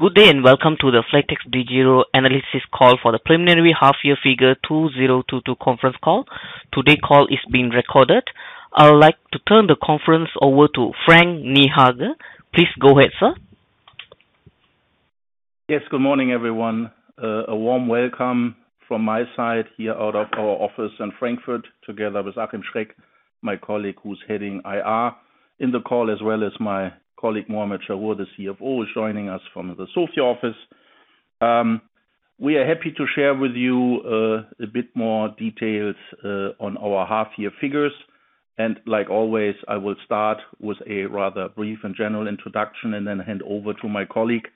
Good day, and welcome to the flatexDEGIRO analyst call for the preliminary half-year figures 2022 conference call. Today's call is being recorded. I would like to turn the conference over to Frank Niehage. Please go ahead, sir. Yes, good morning, everyone. A warm welcome from my side here out of our office in Frankfurt, together with Achim Schreck, my colleague who's heading IR in the call, as well as my colleague, Muhamad Chahrour, the CFO, is joining us from the Sofia office. We are happy to share with you a bit more details on our half year figures. Like always, I will start with a rather brief and general introduction and then hand over to my colleague,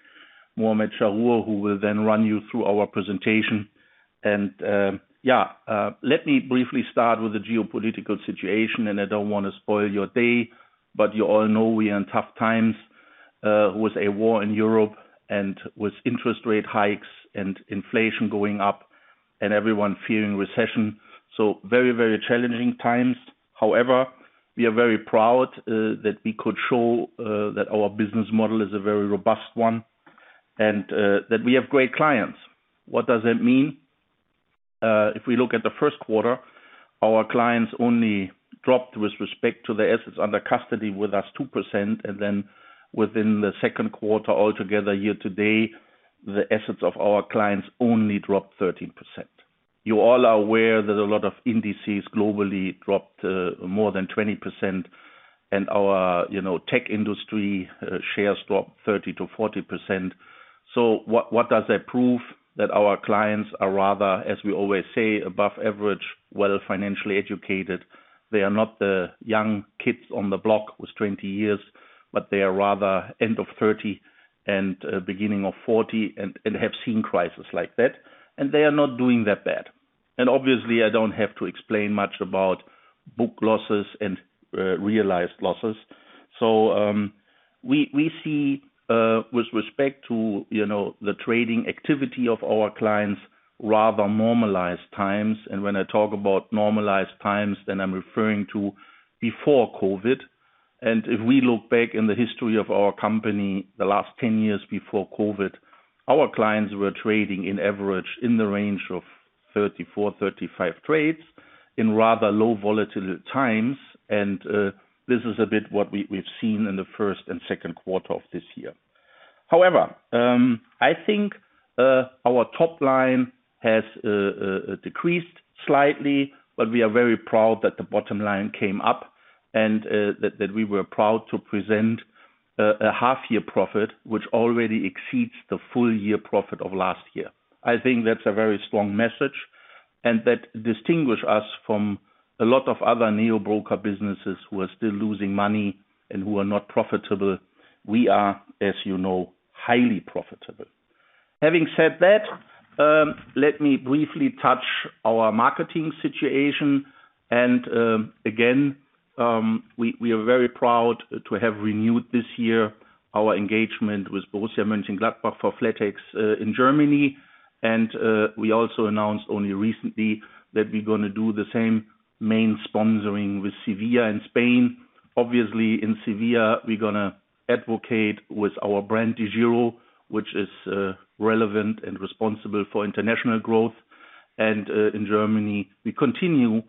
Muhamad Chahrour, who will then run you through our presentation. Let me briefly start with the geopolitical situation, and I don't wanna spoil your day, but you all know we are in tough times with a war in Europe and with interest rate hikes and inflation going up and everyone fearing recession. Very, very challenging times. However, we are very proud that we could show that our business model is a very robust one and that we have great clients. What does that mean? If we look at the first quarter, our clients only dropped with respect to the assets under custody with us 2%. Then within the second quarter, altogether year to date, the assets of our clients only dropped 13%. You all are aware that a lot of indices globally dropped more than 20%. Our, you know, tech industry shares dropped 30%-40%. What does that prove? That our clients are rather, as we always say, above average, well financially educated. They are not the young kids on the block who's 20 years, but they are rather end of 30 and beginning of 40 and have seen crisis like that, and they are not doing that bad. Obviously, I don't have to explain much about book losses and realized losses. We see with respect to, you know, the trading activity of our clients, rather normalized times. When I talk about normalized times, then I'm referring to before COVID. If we look back in the history of our company, the last 10 years before COVID, our clients were trading in average in the range of 34-35 trades in rather low volatility times. This is a bit what we've seen in the first and second quarter of this year. However, I think our top line has decreased slightly, but we are very proud that the bottom line came up and that we were proud to present a half year profit, which already exceeds the full year profit of last year. I think that's a very strong message, and that distinguish us from a lot of other neobroker businesses who are still losing money and who are not profitable. We are, as you know, highly profitable. Having said that, let me briefly touch our marketing situation. We are very proud to have renewed this year our engagement with Borussia Mönchengladbach for Flatex in Germany. We also announced only recently that we're gonna do the same main sponsoring with Sevilla in Spain. Obviously, in Sevilla, we're gonna advocate with our brand DEGIRO, which is relevant and responsible for international growth. In Germany, we continue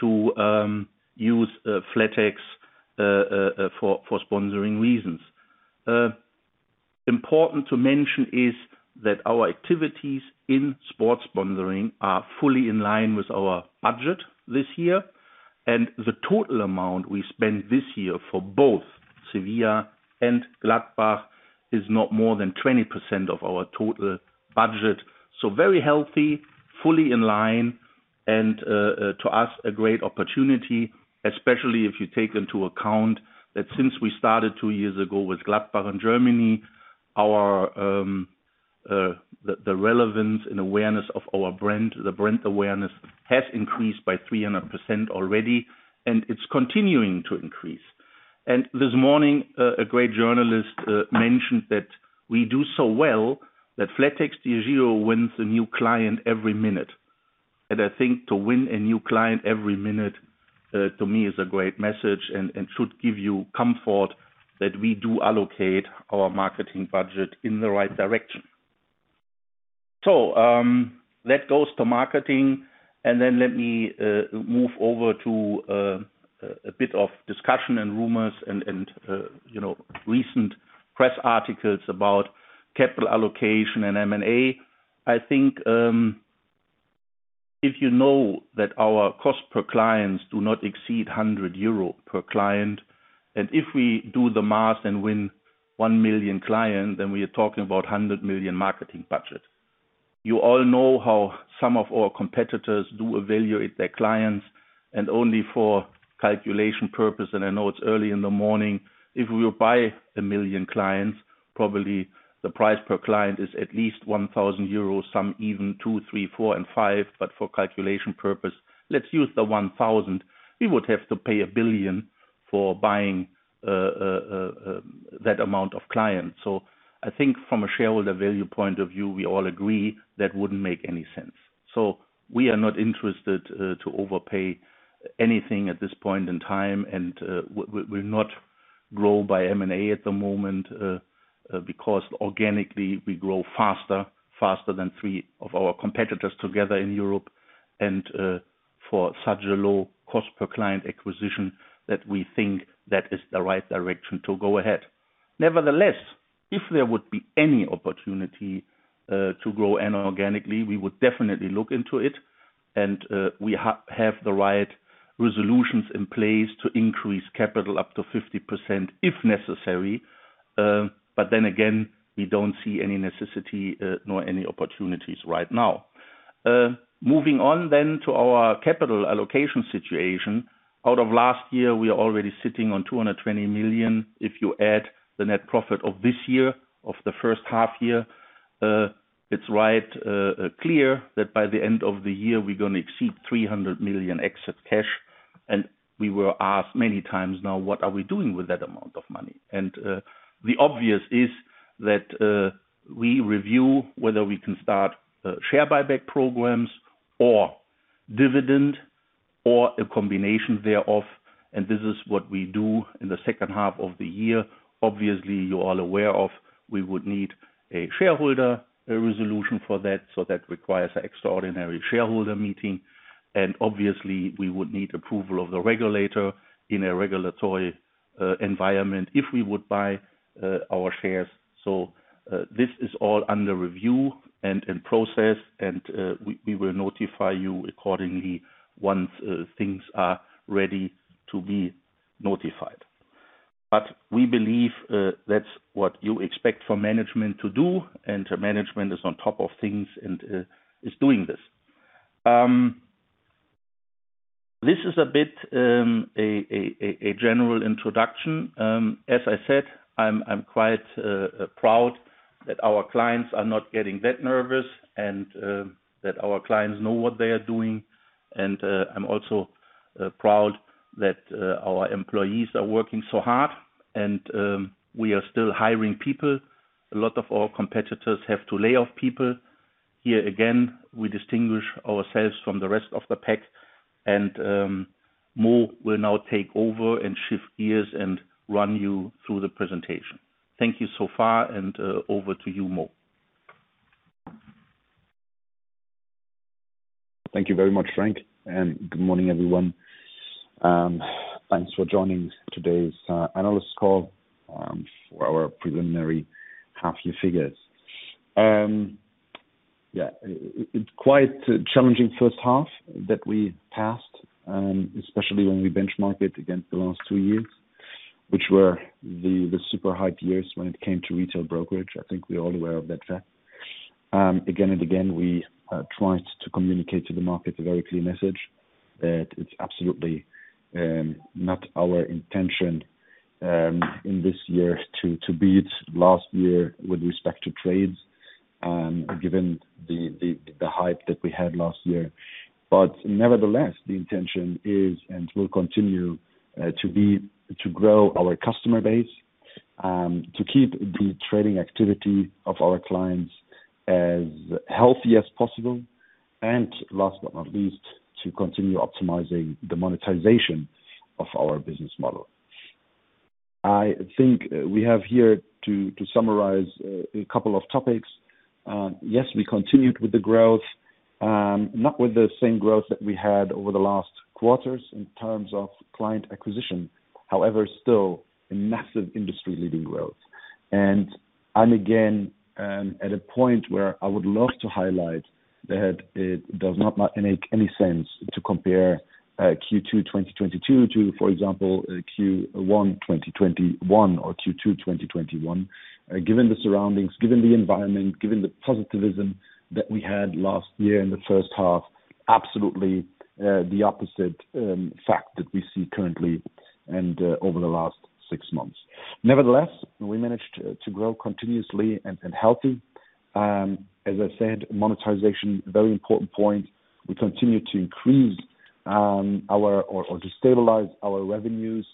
to use Flatex for sponsoring reasons. Important to mention is that our activities in sports sponsoring are fully in line with our budget this year, and the total amount we spend this year for both Sevilla and Gladbach is not more than 20% of our total budget. Very healthy, fully in line, and to us, a great opportunity, especially if you take into account that since we started two years ago with Gladbach in Germany, the relevance and awareness of our brand, the brand awareness has increased by 300% already, and it's continuing to increase. This morning, a great journalist mentioned that we do so well that flatexDEGIRO wins a new client every minute. I think to win a new client every minute to me is a great message and should give you comfort that we do allocate our marketing budget in the right direction. That goes to marketing. Let me move over to a bit of discussion and rumors and you know recent press articles about capital allocation and M&A. I think if you know that our cost per clients do not exceed 100 euro per client, and if we do the math and win 1 million clients, then we are talking about 100 million marketing budget. You all know how some of our competitors do evaluate their clients, and only for calculation purpose, and I know it's early in the morning, if we will buy 1 million clients, probably the price per client is at least 1,000 euros, some even two, three, four, and five. For calculation purpose, let's use the 1,000. We would have to pay 1 billion for buying that amount of clients. I think from a shareholder value point of view, we all agree that wouldn't make any sense. We are not interested to overpay anything at this point in time, and, we're not growing by M&A at the moment, because organically we grow faster than three of our competitors together in Europe and, for such a low cost per client acquisition that we think that is the right direction to go ahead. Nevertheless, if there would be any opportunity to grow inorganically, we would definitely look into it, and, we have the right resolutions in place to increase capital up to 50%, if necessary. Again, we don't see any necessity, nor any opportunities right now. Moving on to our capital allocation situation. End of last year, we are already sitting on 220 million. If you add the net profit of this year, of the first half year, it's quite clear that by the end of the year we're gonna exceed 300 million excess cash. We were asked many times now, what are we doing with that amount of money? The obvious is that we review whether we can start share buyback programs or dividend or a combination thereof. This is what we do in the second half of the year. Obviously, you're all aware of we would need a shareholder resolution for that, so that requires an extraordinary shareholder meeting. Obviously we would need approval of the regulator in a regulatory environment if we would buy our shares. This is all under review and in process, and we will notify you accordingly once things are ready to be notified. We believe that's what you expect for management to do, and management is on top of things and is doing this. This is a bit a general introduction. As I said, I'm quite proud that our clients are not getting that nervous and that our clients know what they are doing. I'm also proud that our employees are working so hard. We are still hiring people. A lot of our competitors have to lay off people. Here again, we distinguish ourselves from the rest of the pack. Mo will now take over and shift gears and run you through the presentation. Thank you so far, and, over to you, Mo. Thank you very much, Frank. Good morning, everyone. Thanks for joining today's analyst call for our preliminary half-year figures. Yeah, it's quite a challenging first half that we've passed, especially when we benchmark it against the last two years, which were the super hype years when it came to retail brokerage. I think we're all aware of that fact. Again and again, we tried to communicate to the market a very clear message that it's absolutely not our intention in this year to beat last year with respect to trades, given the hype that we had last year. Nevertheless, the intention is and will continue to be to grow our customer base, to keep the trading activity of our clients as healthy as possible. Last but not least, to continue optimizing the monetization of our business model. I think we have here to summarize a couple of topics. Yes, we continued with the growth, not with the same growth that we had over the last quarters in terms of client acquisition. However, still a massive industry-leading growth. I'm again at a point where I would love to highlight that it does not make any sense to compare Q2 2022 to, for example, Q1 2021 or Q2 2021. Given the surroundings, given the environment, given the optimism that we had last year in the first half, absolutely the opposite fact that we see currently and over the last six months. Nevertheless, we managed to grow continuously and healthy. As I said, monetization, very important point. We continue to increase or to stabilize our revenues.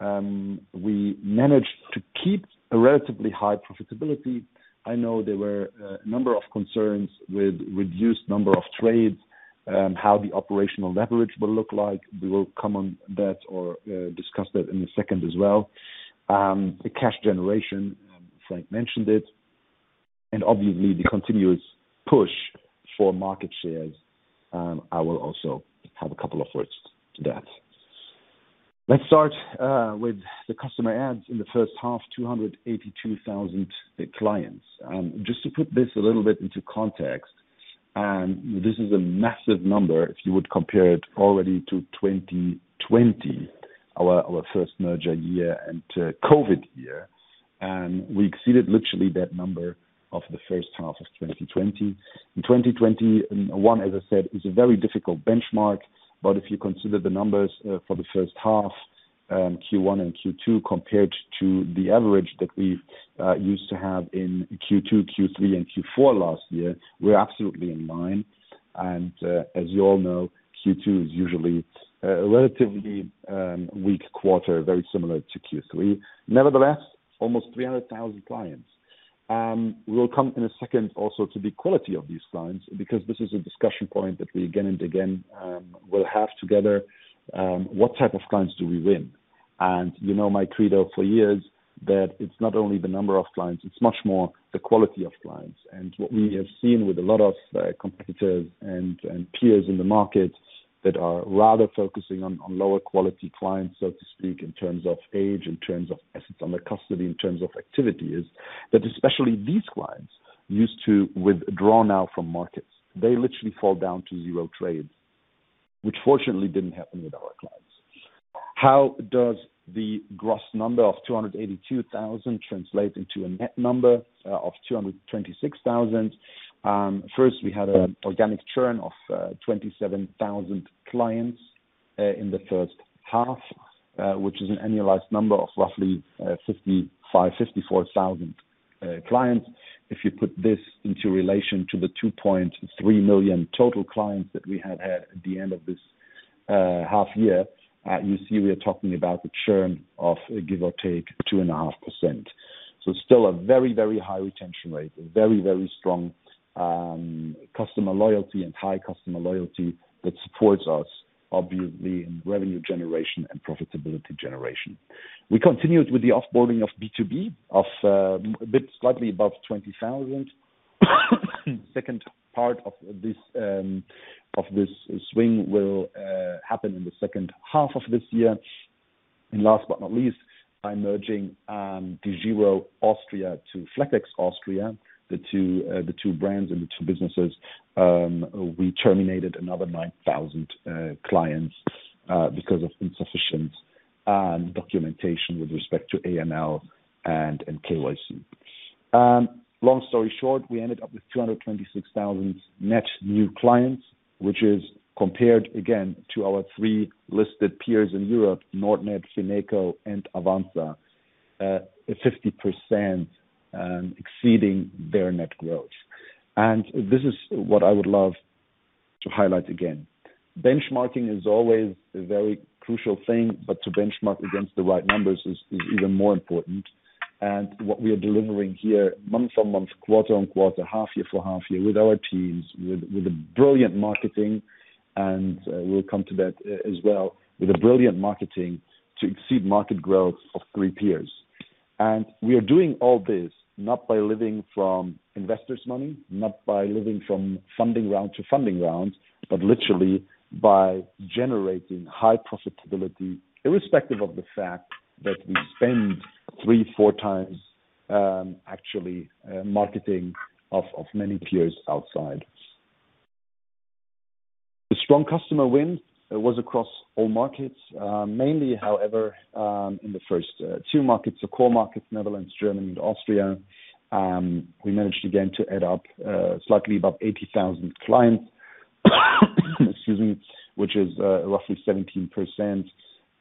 We managed to keep a relatively high profitability. I know there were a number of concerns with reduced number of trades, how the operational leverage will look like. We will come on that or discuss that in a second as well. The cash generation, Frank mentioned it, and obviously the continuous push for market shares, I will also have a couple of words to that. Let's start with the customer adds. In the first half, 282,000 clients. Just to put this a little bit into context, this is a massive number if you would compare it already to 2020, our first merger year and COVID year. We exceeded literally that number of the first half of 2020. In 2021, as I said, is a very difficult benchmark. If you consider the numbers for the first half, Q1 and Q2, compared to the average that we used to have in Q2, Q3, and Q4 last year, we're absolutely in line. As you all know, Q2 is usually a relatively weak quarter, very similar to Q3. Nevertheless, almost 300,000 clients. We'll come in a second also to the quality of these clients, because this is a discussion point that we again and again will have together. What type of clients do we win? You know my credo for years that it's not only the number of clients, it's much more the quality of clients. What we have seen with a lot of competitors and peers in the market that are rather focusing on lower quality clients, so to speak, in terms of age, in terms of assets under custody, in terms of activity, is that especially these clients used to withdraw now from markets. They literally fall down to zero trades, which fortunately didn't happen with our clients. How does the gross number of 282,000 translate into a net number of 226,000? First, we had an organic churn of 27,000 clients in the first half, which is an annualized number of roughly 54,000-55,000 clients. If you put this into relation to the 2.3 million total clients that we have had at the end of this half year, you see we are talking about the churn of give or take 2.5%. Still a very, very high retention rate. A very, very strong customer loyalty and high customer loyalty that supports us, obviously in revenue generation and profitability generation. We continued with the off-boarding of B2B of a bit slightly above 20,000. Second part of this swing will happen in the second half of this year. Last but not least, by merging DEGIRO Austria to Flatex Austria, the two brands and the two businesses, we terminated another 9,000 clients because of insufficient documentation with respect to AML and KYC. Long story short, we ended up with 226,000 net new clients, which is compared again to our three listed peers in Europe, Nordnet, Fineco and Avanza, 50% exceeding their net growth. This is what I would love to highlight again. Benchmarking is always a very crucial thing, but to benchmark against the right numbers is even more important. What we are delivering here month-on-month, quarter-on-quarter, half-year-for-half-year with our teams, with a brilliant marketing. We'll come to that as well with a brilliant marketing to exceed market growth of three peers. We are doing all this not by living from investors' money, not by living from funding round to funding round, but literally by generating high profitability, irrespective of the fact that we spend 3x-4x, actually, marketing of many peers outside. The strong customer win was across all markets. Mainly, however, in the first two markets or core markets, Netherlands, Germany and Austria, we managed again to add up slightly above 80,000 clients. Excuse me. Which is roughly 17%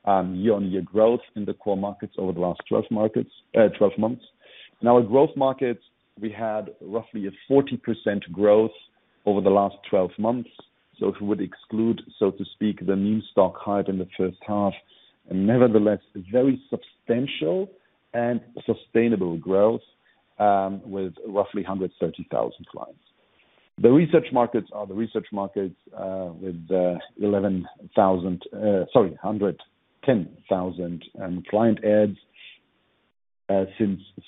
year-on-year growth in the core markets over the last 12 months. Now in growth markets, we had roughly a 40% growth over the last 12 months. If you would exclude, so to speak, the meme stock hype in the first half. Nevertheless, a very substantial and sustainable growth with roughly 130,000 clients. The rest markets are the rest markets with 110,000 client adds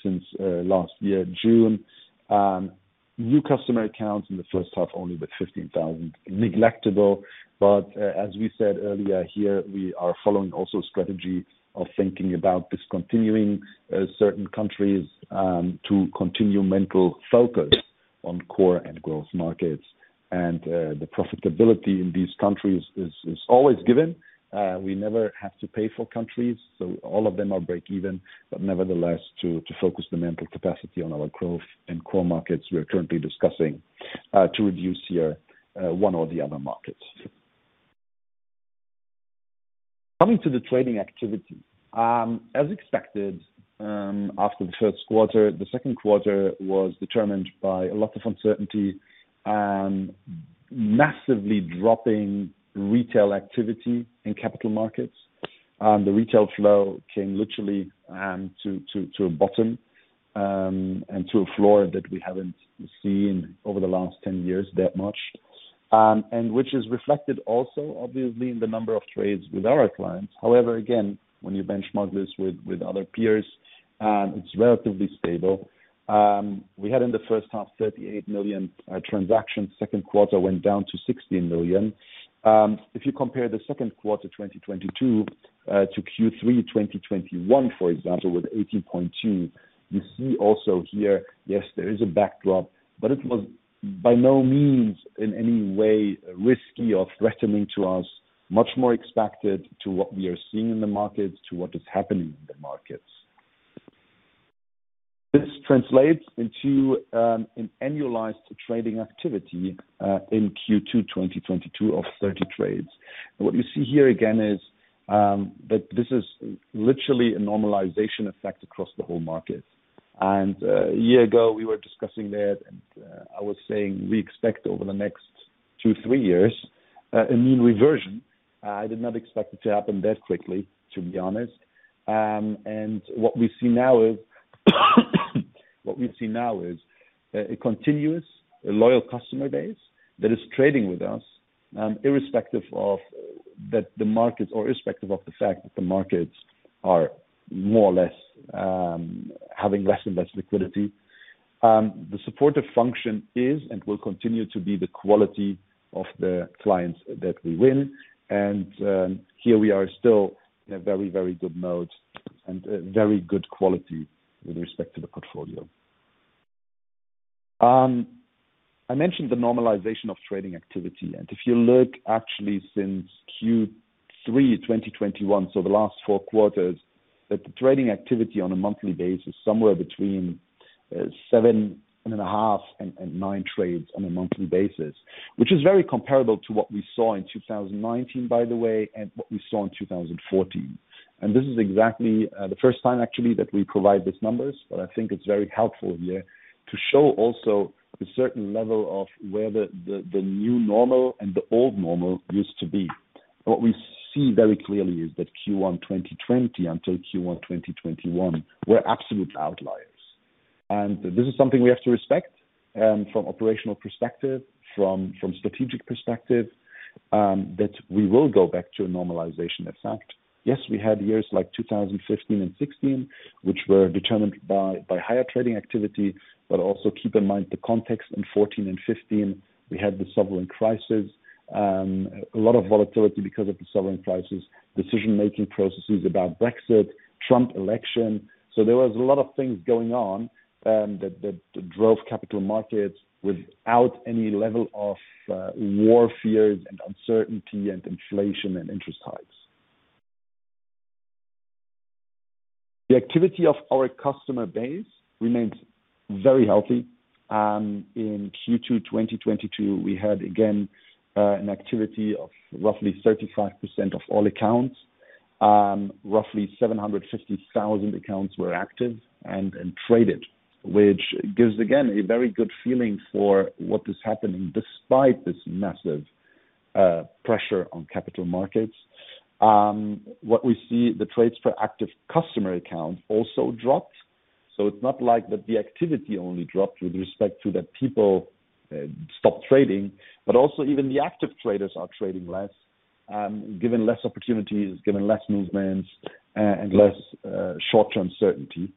since last year, June. New customer accounts in the first half only with 15,000 negligible. As we said earlier here, we are following also strategy of thinking about discontinuing certain countries to continue mental focus on core and growth markets. The profitability in these countries is always given. We never have to pay for countries, so all of them are breakeven. Nevertheless to focus the mental capacity on our growth and core markets, we are currently discussing to reduce here one or the other markets. Coming to the trading activity. As expected, after the first quarter, the second quarter was determined by a lot of uncertainty, massively dropping retail activity in capital markets. The retail flow came literally to a bottom, and to a floor that we haven't seen over the last 10 years that much. Which is reflected also obviously in the number of trades with our clients. However, again, when you benchmark this with other peers, it's relatively stable. We had in the first half 38 million transactions. Second quarter went down to 16 million. If you compare second quarter 2022 to Q3 2021, for example, with 18.2, you see also here, yes, there is a backdrop, but it was by no means in any way risky or threatening to us, much more expected to what we are seeing in the markets, to what is happening in the markets. This translates into an annualized trading activity in Q2 2022 of 30 trades. What we see here again is that this is literally a normalization effect across the whole market. A year ago we were discussing that and I was saying we expect over the next two, three years a mean reversion. I did not expect it to happen that quickly, to be honest. What we see now is a continuous loyal customer base that is trading with us, irrespective of the fact that the markets are more or less having less and less liquidity. The supportive function is and will continue to be the quality of the clients that we win. Here we are still in a very, very good mode and very good quality with respect to the portfolio. I mentioned the normalization of trading activity. If you look actually since Q3 2021, so the last four quarters, that the trading activity on a monthly basis is somewhere between seven and a half and nine trades on a monthly basis. Which is very comparable to what we saw in 2019, by the way, and what we saw in 2014. This is exactly the first time actually that we provide these numbers, but I think it's very helpful here to show also the certain level of where the new normal and the old normal used to be. What we see very clearly is that Q1 2020 until Q1 2021 were absolute outliers. This is something we have to respect from operational perspective, from strategic perspective that we will go back to a normalization effect. Yes, we had years like 2015 and 2016, which were determined by higher trading activity. Also keep in mind the context in 2014 and 2015, we had the sovereign crisis. A lot of volatility because of the sovereign debt crisis, decision-making processes about Brexit, Trump election. There was a lot of things going on, that drove capital markets without any level of war fears and uncertainty and inflation and interest hikes. The activity of our customer base remains very healthy. In Q2 2022, we had again an activity of roughly 35% of all accounts. Roughly 750,000 accounts were active and traded, which gives, again, a very good feeling for what is happening despite this massive pressure on capital markets. What we see, the trades per active customer account also dropped. It's not like that the activity only dropped with respect to that people stopped trading, but also even the active traders are trading less, given less opportunities, given less movements, and less short-term certainty.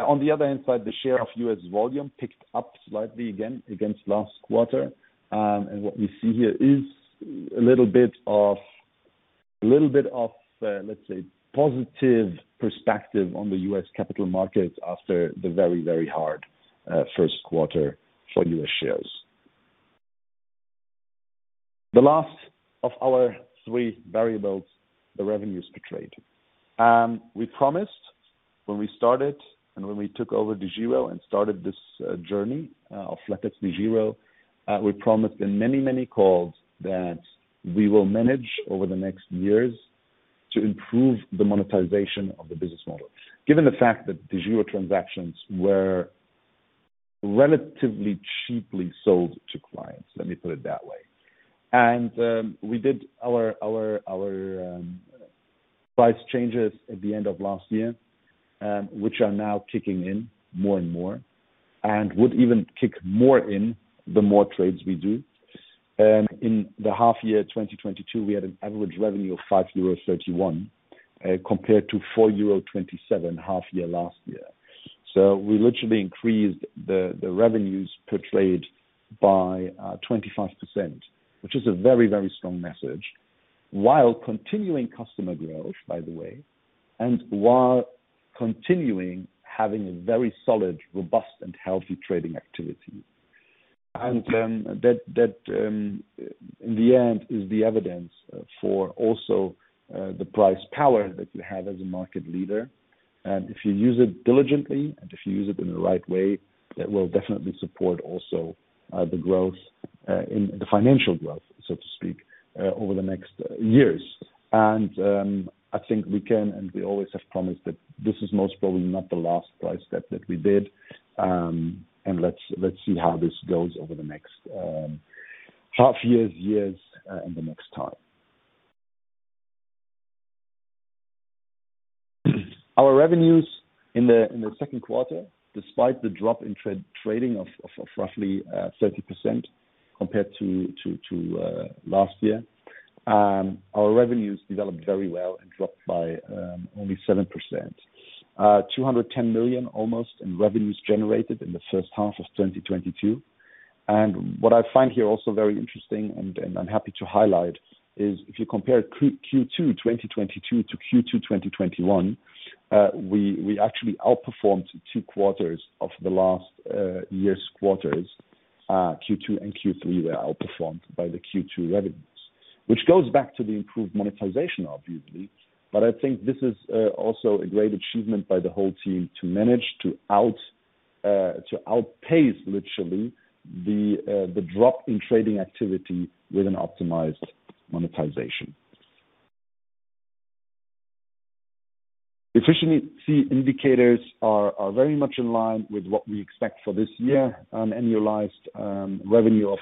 On the other hand side, the share of U.S. volume picked up slightly again against last quarter. What we see here is a little bit of, let's say, positive perspective on the U.S. capital markets after the very, very hard first quarter for U.S. shares. The last of our three variables, the revenues per trade. We promised when we started and when we took over DEGIRO and started this journey of flatexDEGIRO, we promised in many, many calls that we will manage over the next years to improve the monetization of the business model. Given the fact that DEGIRO transactions were relatively cheaply sold to clients, let me put it that way. We did our price changes at the end of last year, which are now kicking in more and more, and would even kick more in the more trades we do. In the half year 2022, we had an average revenue of 5.31 euro compared to 4.27 euro half year last year. We literally increased the revenues per trade by 25%, which is a very, very strong message, while continuing customer growth, by the way, and while continuing having a very solid, robust and healthy trading activity. That in the end is the evidence for also the price power that you have as a market leader. If you use it diligently and if you use it in the right way, that will definitely support also the growth in the financial growth, so to speak, over the next years. I think we can, and we always have promised that this is most probably not the last price step that we did. Let's see how this goes over the next half years in the next time. Our revenues in the second quarter, despite the drop in trading of roughly 30% compared to last year, developed very well and dropped by only 7%. Almost 210 million in revenues generated in the first half of 2022. What I find here also very interesting and I'm happy to highlight is if you compare Q2 2022 to Q2 2021, we actually outperformed two quarters of the last year's quarters. Q2 and Q3 were outperformed by the Q2 revenues, which goes back to the improved monetization, obviously. I think this is also a great achievement by the whole team to manage to outpace literally the drop in trading activity with an optimized monetization. Efficiency indicators are very much in line with what we expect for this year on annualized revenue of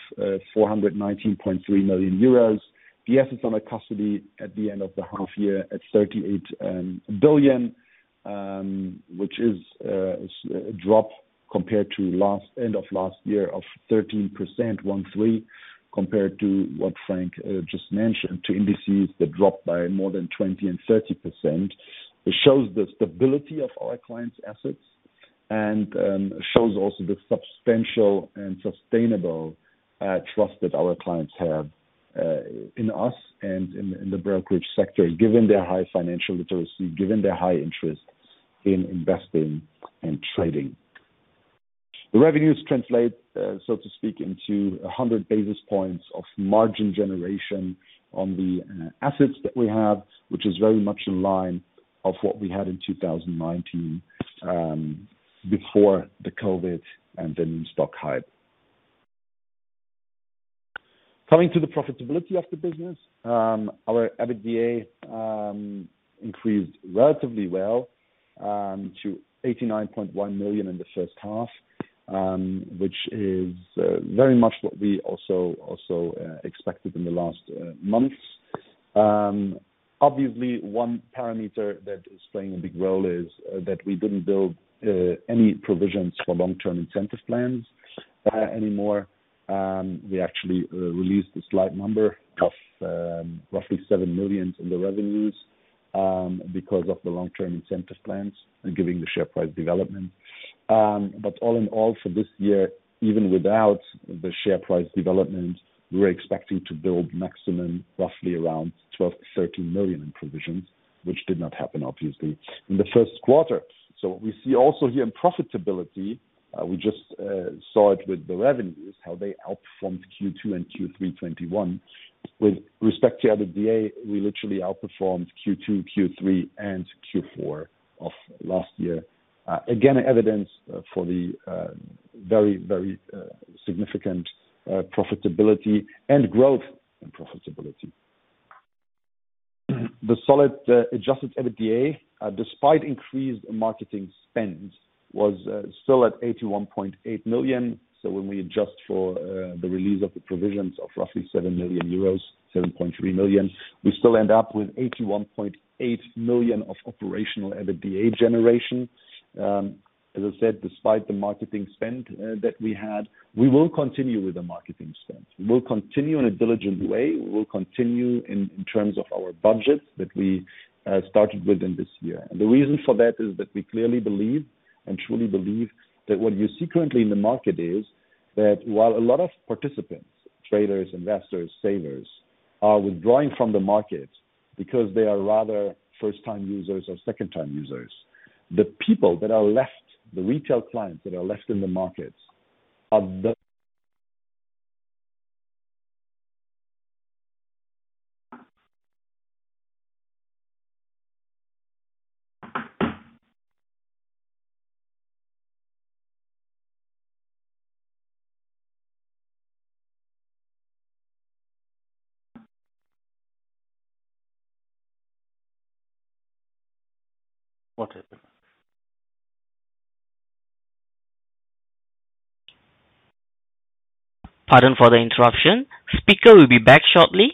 419.3 million euros. The assets under custody at the end of the half year at 38 billion, which is a drop compared to end of last year of 13%, compared to what Frank just mentioned, the indices that dropped by more than 20% and 30%. It shows the stability of our clients' assets and shows also the substantial and sustainable trust that our clients have in us and in the brokerage sector, given their high financial literacy, given their high interest in investing and trading. The revenues translate so to speak into 100 basis points of margin generation on the assets that we have, which is very much in line with what we had in 2019 before the COVID and then stock hype. Coming to the profitability of the business, our EBITDA increased relatively well to 89.1 million in the first half, which is very much what we also expected in the last months. Obviously, one parameter that is playing a big role is that we didn't build any provisions for long-term incentive plans anymore. We actually released a slight number of roughly 7 million in the revenues because of the long-term incentive plans and given the share price development. All in all, for this year, even without the share price development, we're expecting to build maximum roughly around 12 million-13 million in provisions, which did not happen obviously in the first quarter. What we see also here in profitability, we just saw it with the revenues, how they outperformed Q2 and Q3 2021. With respect to EBITDA, we literally outperformed Q2, Q3, and Q4 of last year. Again, evidence for the very significant profitability and growth and profitability. The solid adjusted EBITDA, despite increased marketing spend, was still at 81.8 million. When we adjust for the release of the provisions of roughly 7 million euros, 7.3 million, we still end up with 81.8 million of operational EBITDA generation. As I said, despite the marketing spend that we had. We will continue with the marketing spend. We will continue in a diligent way. We will continue in terms of our budget that we started with in this year. The reason for that is that we clearly believe and truly believe that what you see currently in the market is that while a lot of participants, traders, investors, savers, are withdrawing from the market because they are rather first-time users or second-time users. The people that are left, the retail clients that are left in the markets are the. Pardon for the interruption. Speaker will be back shortly.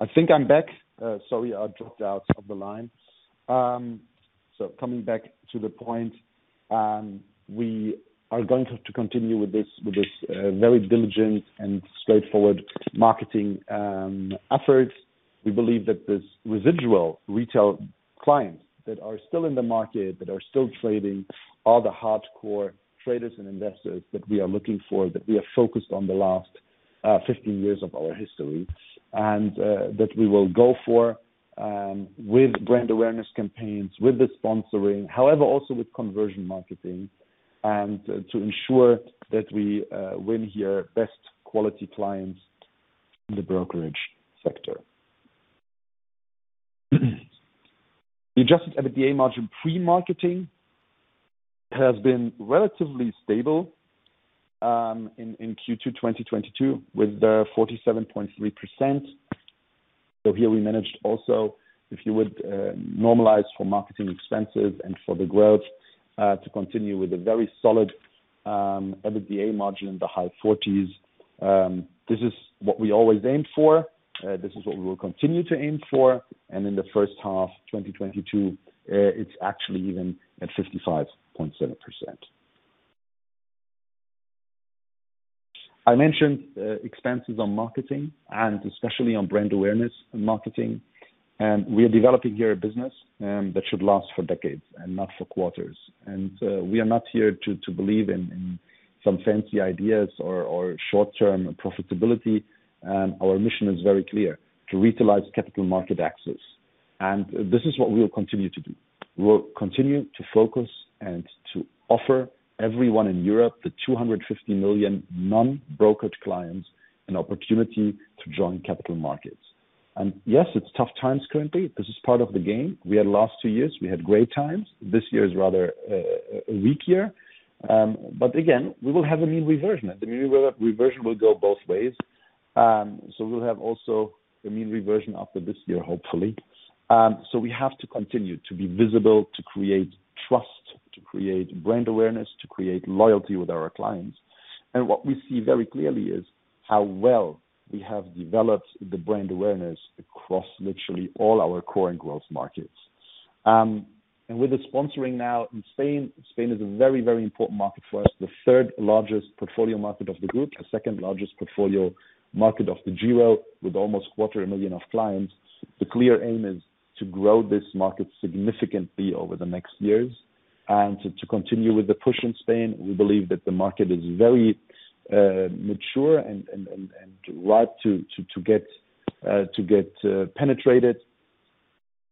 I think I'm back. Sorry, I dropped out of the line. Coming back to the point, we are going to continue with this very diligent and straightforward marketing efforts. We believe that this residual retail clients that are still in the market, that are still trading, are the hardcore traders and investors that we are looking for, that we are focused on the last 15 years of our history, and that we will go for with brand awareness campaigns, with the sponsoring. However, also with conversion marketing, and to ensure that we win here best quality clients in the brokerage sector. The adjusted EBITDA margin pre-marketing has been relatively stable in Q2 2022, with the 47.3%. Here we managed also, if you would, normalize for marketing expenses and for the growth, to continue with a very solid EBITDA margin in the high 40s. This is what we always aim for. This is what we will continue to aim for. In the first half 2022, it's actually even at 55.7%. I mentioned expenses on marketing and especially on brand awareness and marketing. We are developing here a business that should last for decades and not for quarters. We are not here to believe in some fancy ideas or short term profitability. Our mission is very clear to utilize capital market access. This is what we will continue to do. We'll continue to focus and to offer everyone in Europe, the 250 million non-brokered clients, an opportunity to join capital markets. Yes, it's tough times currently. This is part of the game. We had last two years, we had great times. This year is rather a weak year. But again, we will have a mean reversion. The mean reversion will go both ways. We'll have also a mean reversion after this year, hopefully. We have to continue to be visible, to create trust, to create brand awareness, to create loyalty with our clients. What we see very clearly is how well we have developed the brand awareness across literally all our core and growth markets. With the sponsoring now in Spain is a very important market for us, the third-largest portfolio market of the group, the second-largest portfolio market of the DEGIRO, with almost a quarter of a million clients. The clear aim is to grow this market significantly over the next years and to continue with the push in Spain. We believe that the market is very mature and ripe to get penetrated.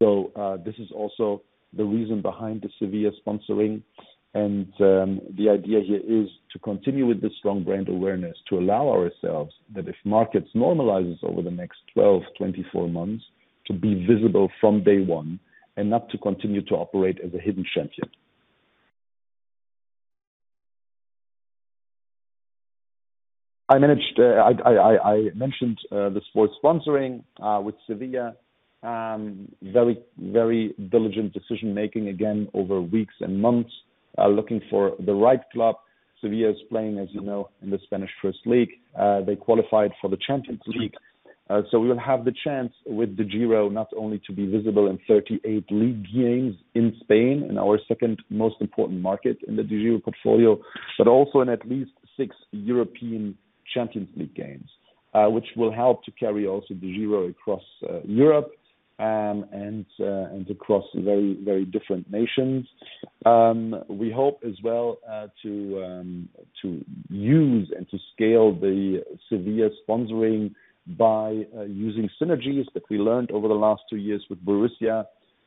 This is also the reason behind the Sevilla sponsoring. The idea here is to continue with the strong brand awareness to allow ourselves that if markets normalizes over the next 12-24 months, to be visible from day one and not to continue to operate as a hidden champion. I mentioned the sports sponsoring with Sevilla. Very, very diligent decision making, again, over weeks and months, looking for the right club. Sevilla is playing, as you know, in the Spanish First League. They qualified for the Champions League. We will have the chance with the DEGIRO not only to be visible in 38 league games in Spain, in our second most important market in the DEGIRO portfolio, but also in at least six European Champions League games, which will help to carry also the DEGIRO across Europe, and across very, very different nations. We hope as well to use and to scale the Sevilla sponsoring by using synergies that we learned over the last two years with Borussia.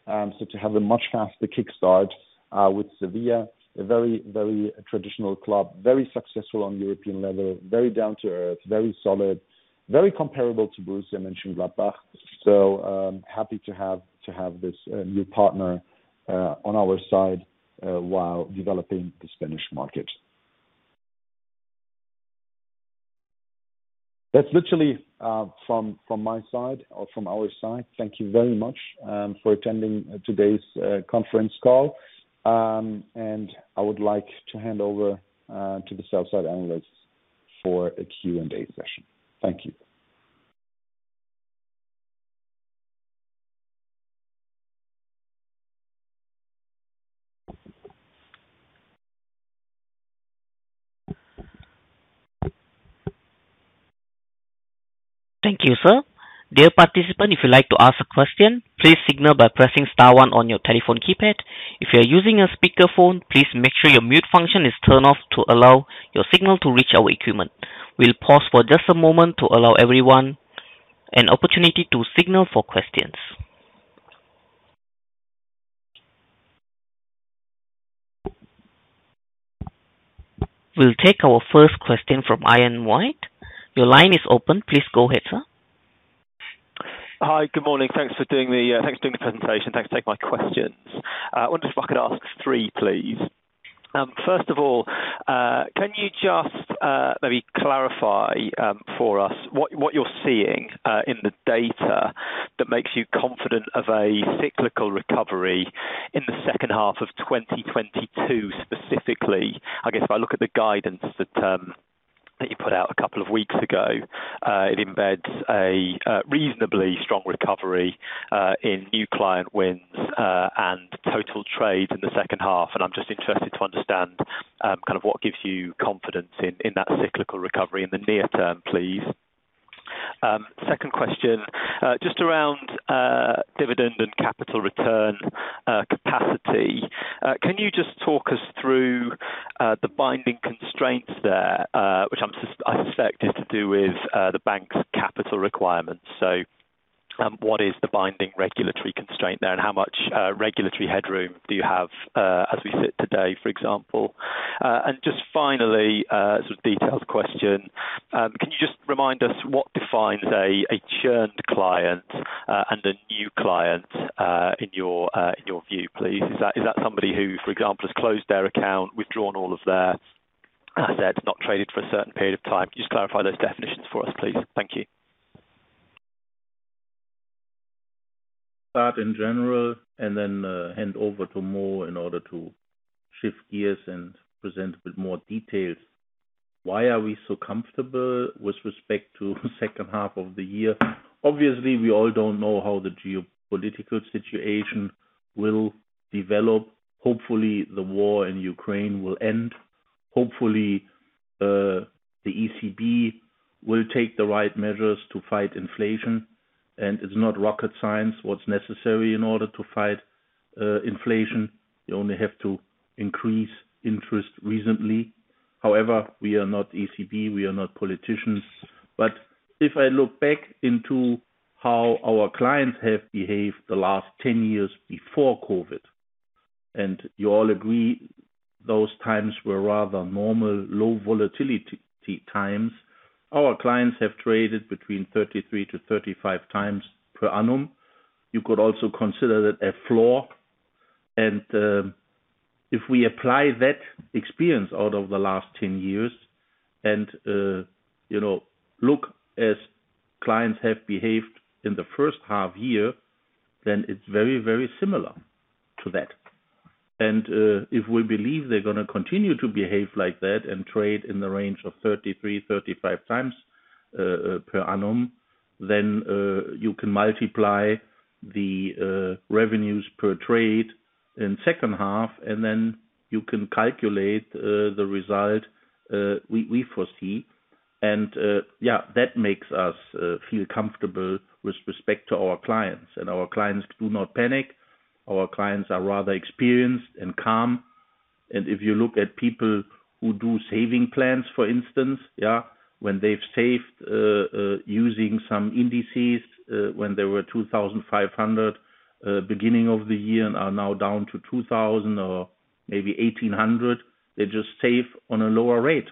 To have a much faster kick start with Sevilla, a very, very traditional club, very successful on European level, very down to earth, very solid, very comparable to Borussia Mönchengladbach. Happy to have this new partner on our side while developing the Spanish market. That's literally from my side or from our side. Thank you very much for attending today's conference call. I would like to hand over to the sell-side analysts for a Q&A session. Thank you. Thank you, sir. Dear participant, if you'd like to ask a question, please signal by pressing star one on your telephone keypad. If you are using a speakerphone, please make sure your mute function is turned off to allow your signal to reach our equipment. We'll pause for just a moment to allow everyone an opportunity to signal for questions. We'll take our first question from Ian White. Your line is open. Please go ahead, sir. Hi. Good morning. Thanks for doing the presentation. Thanks for taking my questions. I wonder if I could ask three, please. First of all, can you just maybe clarify for us what you're seeing in the data that makes you confident of a cyclical recovery in the second half of 2022 specifically? I guess if I look at the guidance that you put out a couple of weeks ago, it embeds a reasonably strong recovery in new client wins and total trades in the second half, and I'm just interested to understand kind of what gives you confidence in that cyclical recovery in the near term, please. Second question, just around dividend and capital return capacity. Can you just talk us through the binding constraints there, which I suspect is to do with the bank's capital requirements. What is the binding regulatory constraint there, and how much regulatory headroom do you have as we sit today, for example? Just finally, a sort of detailed question. Can you just remind us what defines a churned client and a new client in your view, please? Is that somebody who, for example, has closed their account, withdrawn all of their assets, not traded for a certain period of time? Can you just clarify those definitions for us, please? Thank you. Start in general and then hand over to Mo in order to shift gears and present with more details. Why are we so comfortable with respect to second half of the year? Obviously, we all don't know how the geopolitical situation will develop. Hopefully, the war in Ukraine will end. Hopefully, the ECB will take the right measures to fight inflation, and it's not rocket science what's necessary in order to fight inflation. You only have to increase interest rates. However, we are not ECB, we are not politicians. If I look back into how our clients have behaved the last 10 years before COVID, and you all agree those times were rather normal, low volatility times. Our clients have traded between 33x-35x per annum. You could also consider that a floor. If we apply that experience out of the last 10 years and you know look how clients have behaved in the first half year, then it's very, very similar to that. If we believe they're gonna continue to behave like that and trade in the range of 33x-35x per annum, then you can multiply the revenues per trade in second half, and then you can calculate the result we foresee. That makes us feel comfortable with respect to our clients. Our clients do not panic. Our clients are rather experienced and calm. If you look at people who do saving plans, for instance. When they've saved using some indices when there were 2,500 beginning of the year and are now down to 2,000 or maybe 1,800, they just save on a lower rate.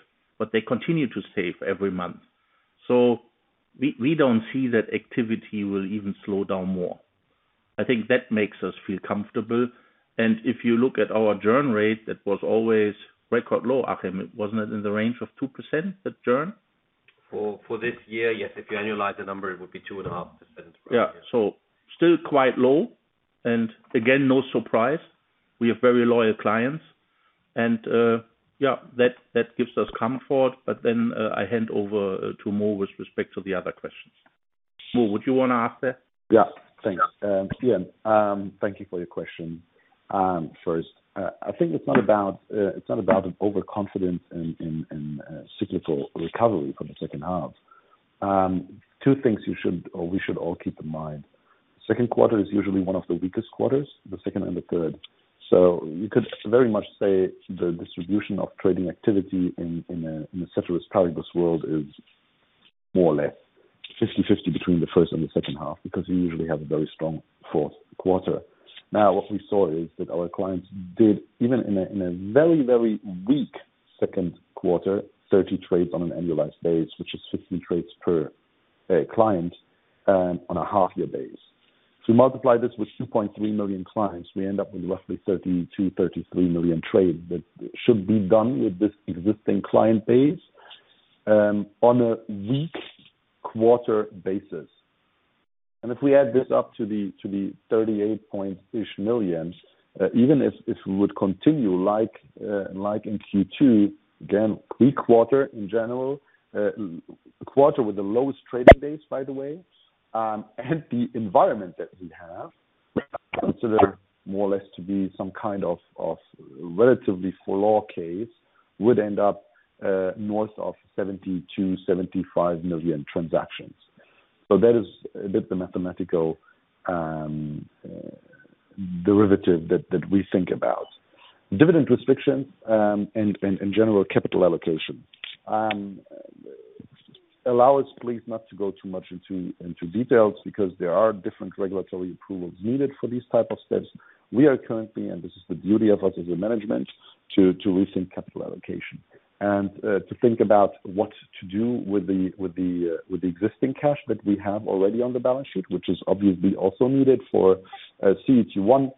They continue to save every month. We don't see that activity will even slow down more. I think that makes us feel comfortable. If you look at our churn rate, that was always record low. Wasn't it in the range of 2%, the churn? For this year, yes. If you annualize the number, it would be 2.5%. Yeah. Still quite low. Again, no surprise. We have very loyal clients, and, yeah, that gives us comfort. I hand over to Mo with respect to the other questions. Mo, would you wanna answer? Yeah. Thanks. Yeah, thank you for your question. First, I think it's not about an overconfidence in cyclical recovery for the second half. Two things you should or we should all keep in mind. Second quarter is usually one of the weakest quarters, the second and the third. You could very much say the distribution of trading activity in a ceteris paribus world is more or less 50-50 between the first and the second half, because you usually have a very strong fourth quarter. Now, what we saw is that our clients did even in a very weak second quarter 30 trades on an annualized basis, which is 15 trades per client on a half-year basis. If you multiply this with 2.3 million clients, we end up with roughly 32 million-33 million trades that should be done with this existing client base on a weak quarter basis. If we add this up to the 38 point-ish million, even if we would continue like in Q2, again, weak quarter in general, quarter with the lowest trading days, by the way, and the environment that we have, consider more or less to be some kind of relatively low case, would end up north of 72 million-75 million transactions. That is a bit the mathematical derivative that we think about. Dividend restriction and in general capital allocation. Allow us please not to go too much into details because there are different regulatory approvals needed for these type of steps. We are currently, and this is the duty of us as a management, to rethink capital allocation and to think about what to do with the existing cash that we have already on the balance sheet, which is obviously also needed for CET1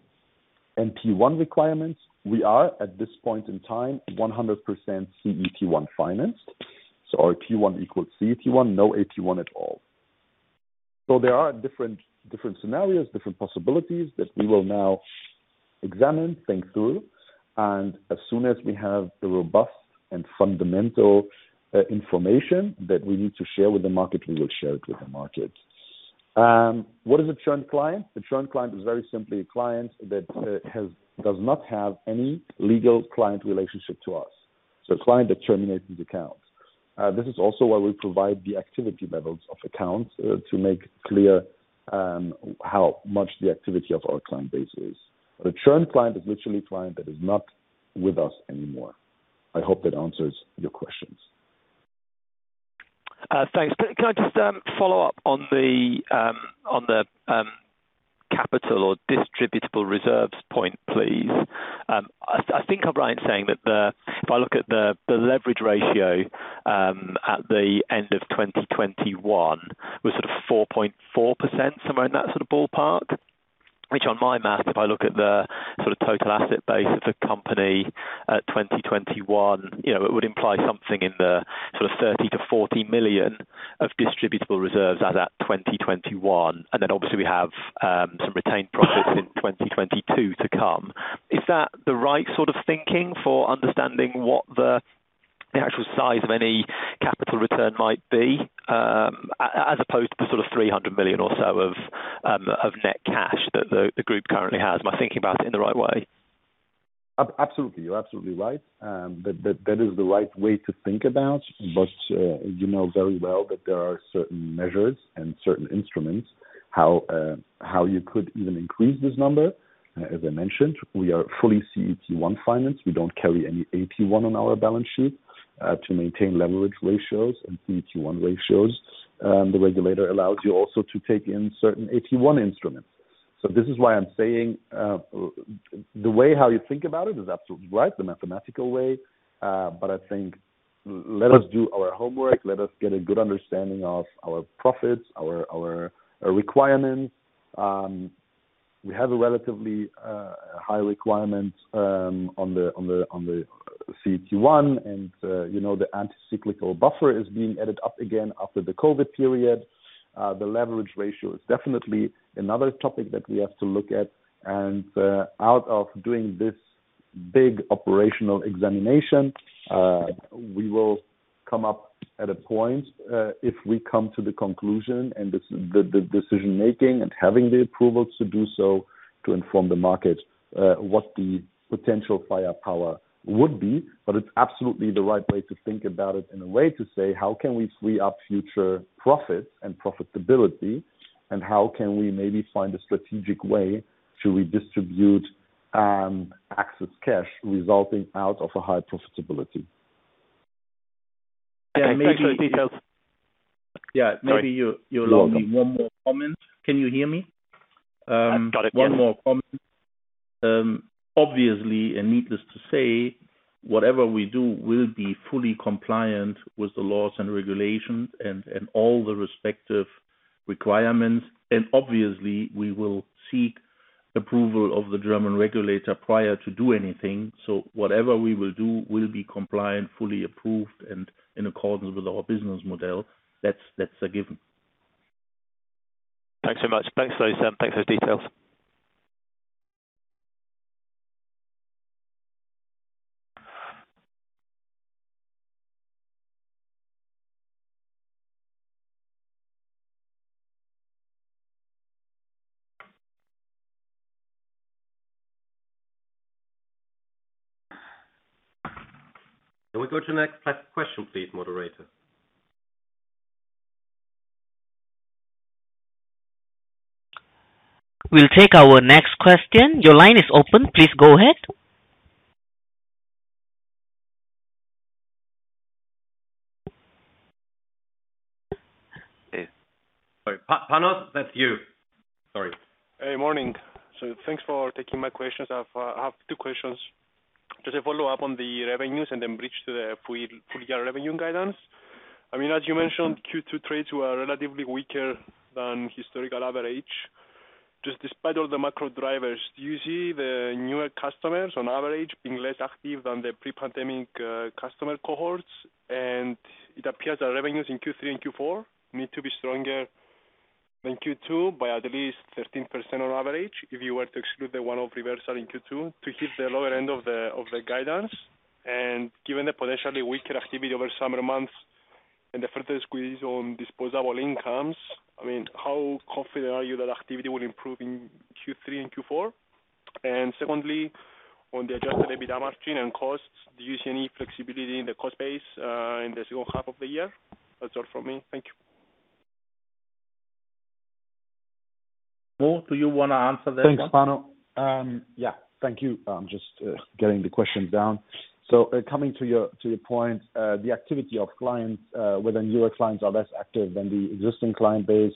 and P1 requirements. We are, at this point in time, 100% CET1 financed. Our P1 equals CET1, no AT1 at all. There are different scenarios, different possibilities that we will now examine, think through, and as soon as we have the robust and fundamental information that we need to share with the market, we will share it with the market. What is a churn client? A churn client is very simply a client that does not have any legal client relationship to us. A client that terminates his account. This is also why we provide the activity levels of accounts to make clear how much the activity of our client base is. A churn client is literally a client that is not with us anymore. I hope that answers your questions. Thanks. Can I just follow up on the capital or distributable reserves point, please? I think I'm right in saying that if I look at the leverage ratio at the end of 2021 was sort of 4.4%, somewhere in that sort of ballpark. Which on my math, if I look at the sort of total asset base of the company at 2021, you know, it would imply something in the sort of 30-40 million of distributable reserves as at 2021. Obviously we have some retained profits in 2022 to come. Is that the right sort of thinking for understanding what the actual size of any capital return might be as opposed to the sort of 300 million or so of net cash that the group currently has. Am I thinking about it in the right way? Absolutely. You're absolutely right. That is the right way to think about. You know very well that there are certain measures and certain instruments how you could even increase this number. As I mentioned, we are fully CET1 financed. We don't carry any AT1 on our balance sheet to maintain leverage ratios and CET1 ratios. The regulator allows you also to take in certain AT1 instruments. This is why I'm saying the way how you think about it is absolutely right, the mathematical way. I think let us do our homework, let us get a good understanding of our profits, our requirements. We have a relatively high requirement on the CET1 and, you know, the countercyclical buffer is being added up again after the COVID period. The leverage ratio is definitely another topic that we have to look at. Out of doing this big operational examination, we will come up at a point, if we come to the conclusion and the decision-making and having the approvals to do so to inform the market, what the potential firepower would be. It's absolutely the right way to think about it in a way to say, how can we free up future profits and profitability? How can we maybe find a strategic way to redistribute excess cash resulting out of a high profitability. Yeah. Thanks for the details. Yeah. Sorry. One more comment. Can you hear me? I've got it, yeah. One more comment. Obviously, needless to say, whatever we do will be fully compliant with the laws and regulations and all the respective requirements. Obviously, we will seek approval of the German regulator prior to do anything. Whatever we will do will be compliant, fully approved, and in accordance with our business model. That's a given. Thanks so much. Thanks for those. Thanks for the details. Can we go to the next question, please, moderator? We'll take our next question. Your line is open. Please go ahead. Janos, that's you. Sorry. Hey, morning. Thanks for taking my questions. I have two questions. Just a follow-up on the revenues and then bridge to the full year revenue guidance. I mean, as you mentioned, Q2 trades were relatively weaker than historical average. Just despite all the macro drivers, do you see the newer customers on average being less active than the pre-pandemic customer cohorts? It appears that revenues in Q3 and Q4 need to be stronger than Q2 by at least 13% on average, if you were to exclude the one-off reversal in Q2 to hit the lower end of the guidance. Given the potentially weaker activity over summer months and the further squeeze on disposable incomes, I mean, how confident are you that activity will improve in Q3 and Q4? Secondly, on the adjusted EBITDA margin and costs, do you see any flexibility in the cost base, in the second half of the year? That's all from me. Thank you. Mo, do you want to answer that one? Thanks, Janos. Thank you. I'm just getting the questions down. Coming to your point, the activity of clients, whether newer clients are less active than the existing client base.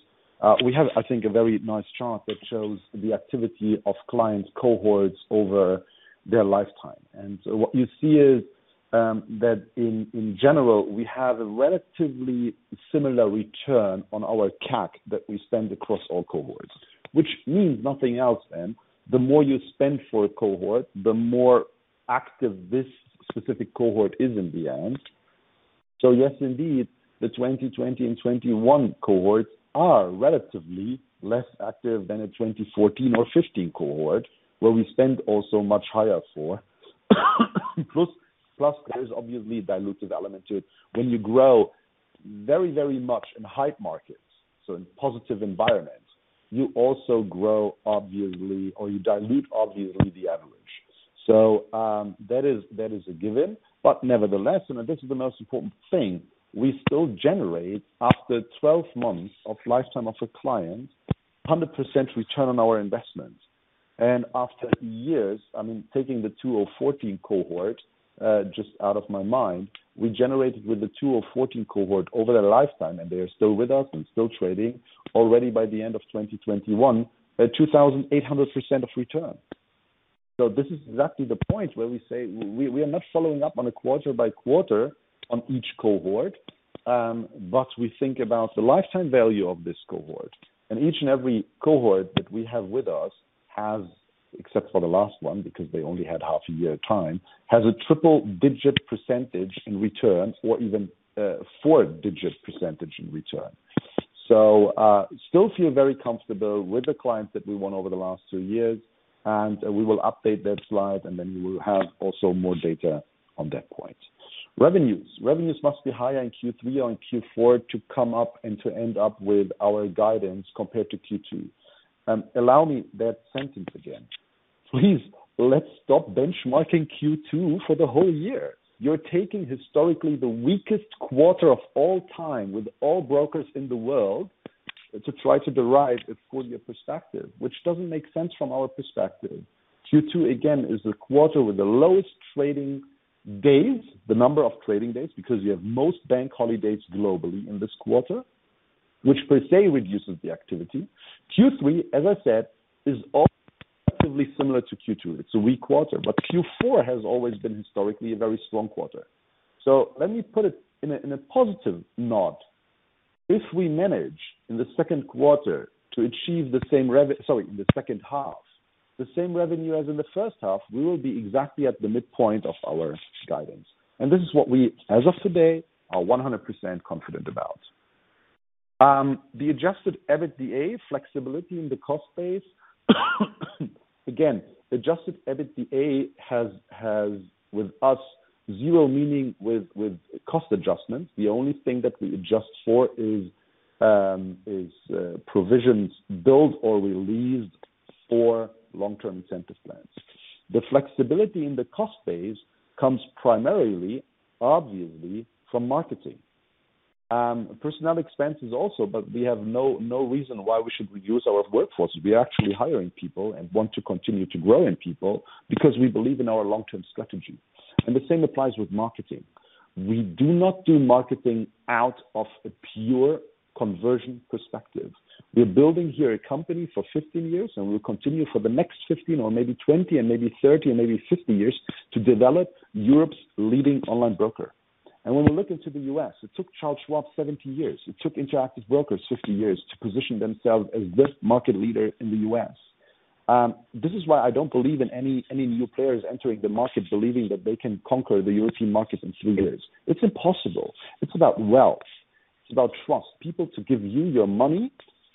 We have, I think, a very nice chart that shows the activity of clients cohorts over their lifetime. What you see is that in general, we have a relatively similar return on our CAC that we spend across all cohorts. Which means nothing else than the more you spend for a cohort, the more active this specific cohort is in the end. Yes, indeed, the 2020 and 2021 cohorts are relatively less active than a 2014 or 2015 cohort, where we spend also much higher for. Plus, there is obviously a diluted element to it. When you grow very, very much in hype markets, so in positive environments, you also grow obviously, or you dilute obviously the averages. That is a given. Nevertheless, and this is the most important thing, we still generate, after 12 months of lifetime of a client, 100% return on our investment. After years, I mean, taking the 2014 cohort, just out of my mind, we generated with the 2014 cohort over their lifetime, and they are still with us and still trading already by the end of 2021, a 2,800% return. This is exactly the point where we say we are not following up on a quarter by quarter on each cohort, but we think about the lifetime value of this cohort. Each and every cohort that we have with us has, except for the last one, because they only had half a year time, a triple-digit percentage in return or even a four-digit percentage in return. Still feel very comfortable with the clients that we won over the last two years, and we will update that slide, and then we will have also more data on that point. Revenues. Revenues must be higher in Q3 and Q4 to come up and to end up with our guidance compared to Q2. Allow me that sentence again. Please, let's stop benchmarking Q2 for the whole year. You're taking historically the weakest quarter of all time with all brokers in the world to try to derive a full year perspective, which doesn't make sense from our perspective. Q2, again, is the quarter with the lowest trading days, the number of trading days, because you have most bank holidays globally in this quarter, which per se reduces the activity. Q3, as I said, is also relatively similar to Q2. It's a weak quarter. Q4 has always been historically a very strong quarter. Let me put it in a positive note. If we manage in the second half the same revenue as in the first half, we will be exactly at the midpoint of our guidance. This is what we, as of today, are 100% confident about. The adjusted EBITDA flexibility in the cost base, again, adjusted EBITDA has with us zero meaning with cost adjustments. The only thing that we adjust for is provisions built or released for long-term incentive plans. The flexibility in the cost base comes primarily, obviously, from marketing. Personnel expenses also, but we have no reason why we should reduce our workforce. We are actually hiring people and want to continue to grow in people because we believe in our long-term strategy. The same applies with marketing. We do not do marketing out of a pure conversion perspective. We're building here a company for 15 years, and we'll continue for the next 15 or maybe 20 and maybe 30 and maybe 50 years to develop Europe's leading online broker. When we look into the U.S., it took Charles Schwab 70 years. It took Interactive Brokers 50 years to position themselves as this market leader in the U.S. This is why I don't believe in any new players entering the market believing that they can conquer the European market in three years. It's impossible. It's about wealth. It's about trust. People to give you your money,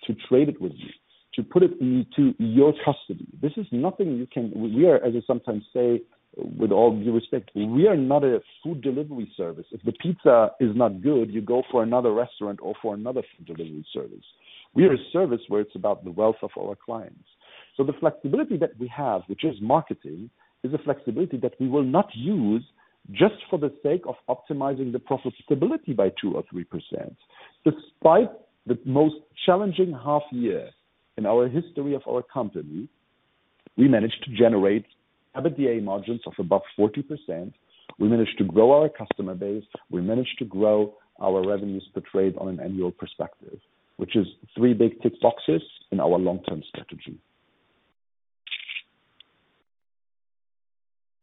to trade it with you, to put it into your custody. We are, as I sometimes say, with all due respect, we are not a food delivery service. If the pizza is not good, you go for another restaurant or for another food delivery service. We are a service where it's about the wealth of our clients. The flexibility that we have, which is marketing, is a flexibility that we will not use just for the sake of optimizing the profitability by 2% or 3%. Despite the most challenging half year in our history of our company, we managed to generate EBITDA margins of above 40%. We managed to grow our customer base. We managed to grow our revenues portrayed on an annual perspective, which is three big tick boxes in our long-term strategy.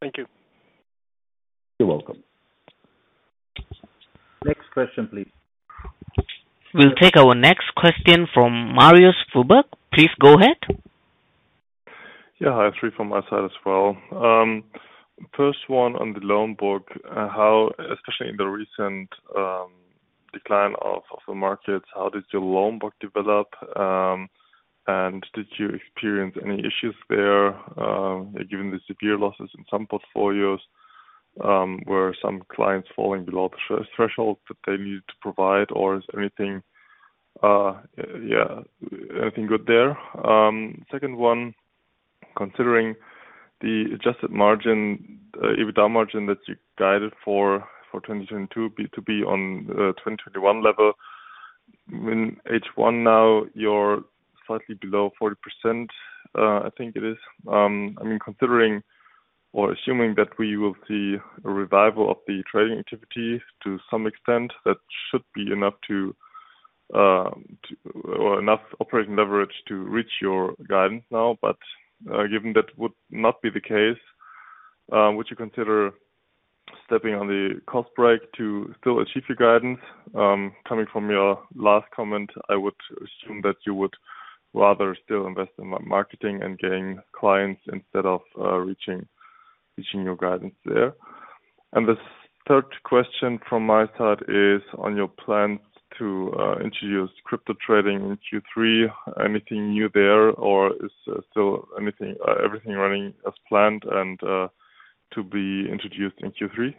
Thank you. You're welcome. Next question, please. We'll take our next question from Marius Fuhrberg. Please go ahead. Hi, three from my side as well. First one on the loan book. How, especially in the recent decline of the markets, how did your loan book develop? Did you experience any issues there, given the severe losses in some portfolios, were some clients falling below the threshold that they needed to provide? Or is anything good there? Second one, considering the adjusted margin, EBITDA margin that you guided for 2022 to be on 2021 level. In H1 now you're slightly below 40%, I think it is. I mean, considering or assuming that we will see a revival of the trading activity to some extent, that should be enough to or enough operating leverage to reach your guidance now. Given that would not be the case, would you consider stepping on the cost brake to still achieve your guidance? Coming from your last comment, I would assume that you would rather still invest in marketing and gain clients instead of reaching your guidance there. The third question from my side is on your plans to introduce crypto trading in Q3. Anything new there, or is everything running as planned and to be introduced in Q3?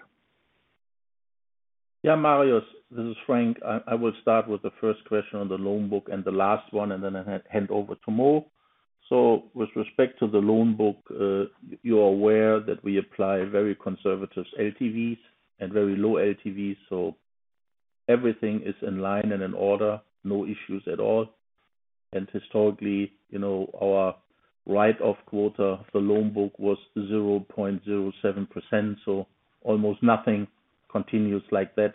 Yeah, Marius, this is Frank. I will start with the first question on the loan book and the last one, and then I hand over to Mo. With respect to the loan book, you're aware that we apply very conservative LTVs and very low LTVs, so everything is in line and in order. No issues at all. Historically, you know, our write-off quarter of the loan book was 0.07%, so almost nothing continues like that.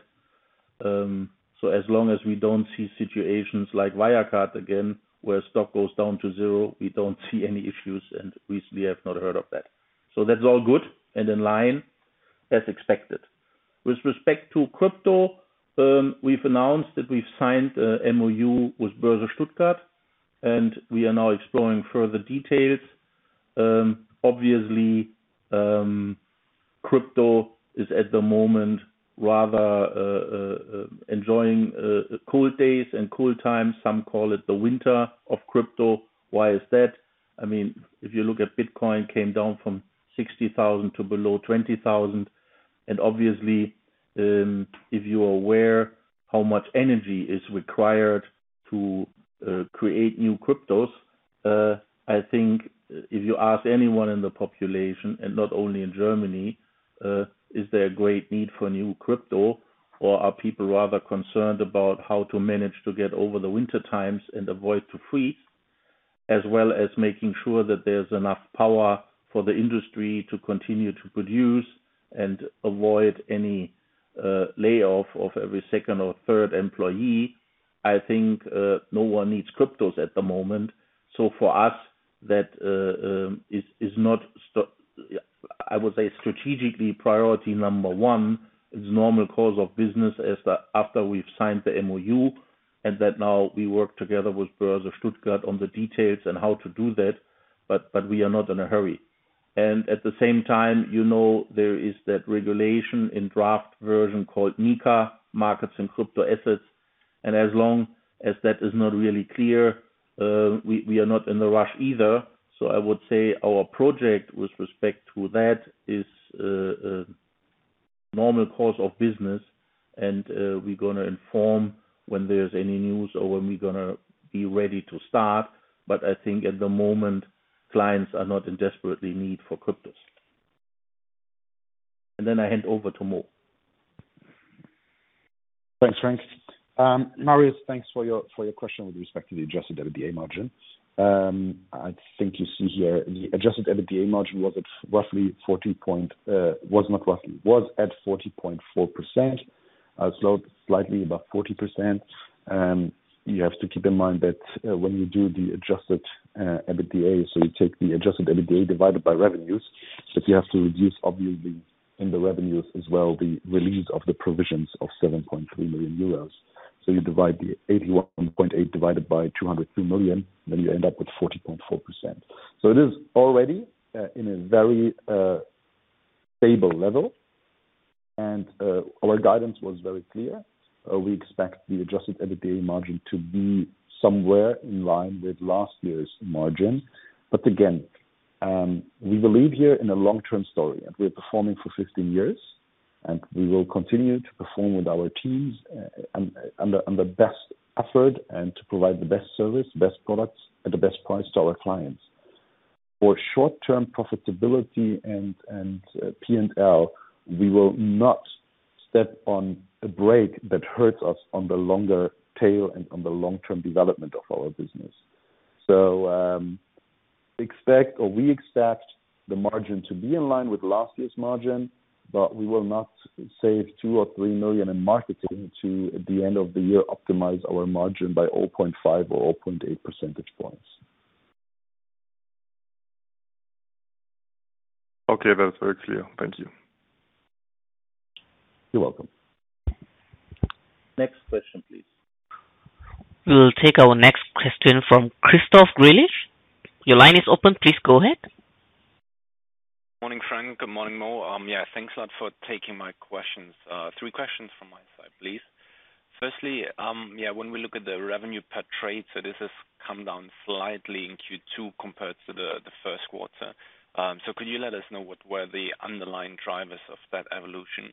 As long as we don't see situations like Wirecard again, where stock goes down to zero, we don't see any issues, and we have not heard of that. That's all good and in line as expected. With respect to crypto, we've announced that we've signed a MOU with Börse Stuttgart, and we are now exploring further details. Obviously, crypto is at the moment rather enjoying cold days and cold times. Some call it the winter of crypto. Why is that? I mean, if you look at Bitcoin came down from 60,000 to below 20,000. Obviously, if you are aware how much energy is required to create new cryptos, I think if you ask anyone in the population, and not only in Germany, is there a great need for new crypto, or are people rather concerned about how to manage to get over the winter times and avoid to freeze, as well as making sure that there's enough power for the industry to continue to produce and avoid any layoff of every second or third employee. I think no one needs cryptos at the moment. For us, that I would say strategically, priority number one is normal course of business is that after we've signed the MOU and that now we work together with Börse Stuttgart on the details on how to do that, but we are not in a hurry. At the same time, you know, there is that regulation in draft version called MiCA, Markets in Crypto Assets. As long as that is not really clear, we are not in a rush either. I would say our project with respect to that is normal course of business and we're gonna inform when there's any news or when we're gonna be ready to start. I think at the moment, clients are not in desperately need for cryptos. Then I hand over to Mo. Thanks, Frank. Marius, thanks for your question with respect to the adjusted EBITDA margin. I think you see here the adjusted EBITDA margin was at 40.4%, so slightly above 40%. You have to keep in mind that when you do the adjusted EBITDA, you take the adjusted EBITDA divided by revenues, but you have to reduce obviously in the revenues as well, the release of the provisions of 7.3 million euros. You divide the 81.8 divided by 203 million, then you end up with 40.4%. It is already in a very stable level. Our guidance was very clear. We expect the adjusted EBITDA margin to be somewhere in line with last year's margin. We believe in a long-term story, and we're performing for 15 years, and we will continue to perform with our teams, under best effort and to provide the best service, best products, at the best price to our clients. For short-term profitability and P&L, we will not step on the brake that hurts us on the longer term and on the long-term development of our business. We expect or accept the margin to be in line with last year's margin, but we will not save 2 or 3 million in marketing to, at the end of the year, optimize our margin by 0.5 or 0.8 percentage points. Okay, that's very clear. Thank you. You're welcome. Next question, please. We'll take our next question from Christoph Greulich. Your line is open. Please go ahead. Morning, Frank. Good morning, Mo. Thanks a lot for taking my questions. Three questions from my side, please. Firstly, when we look at the revenue per trade, so this has come down slightly in Q2 compared to the first quarter. So could you let us know what were the underlying drivers of that evolution?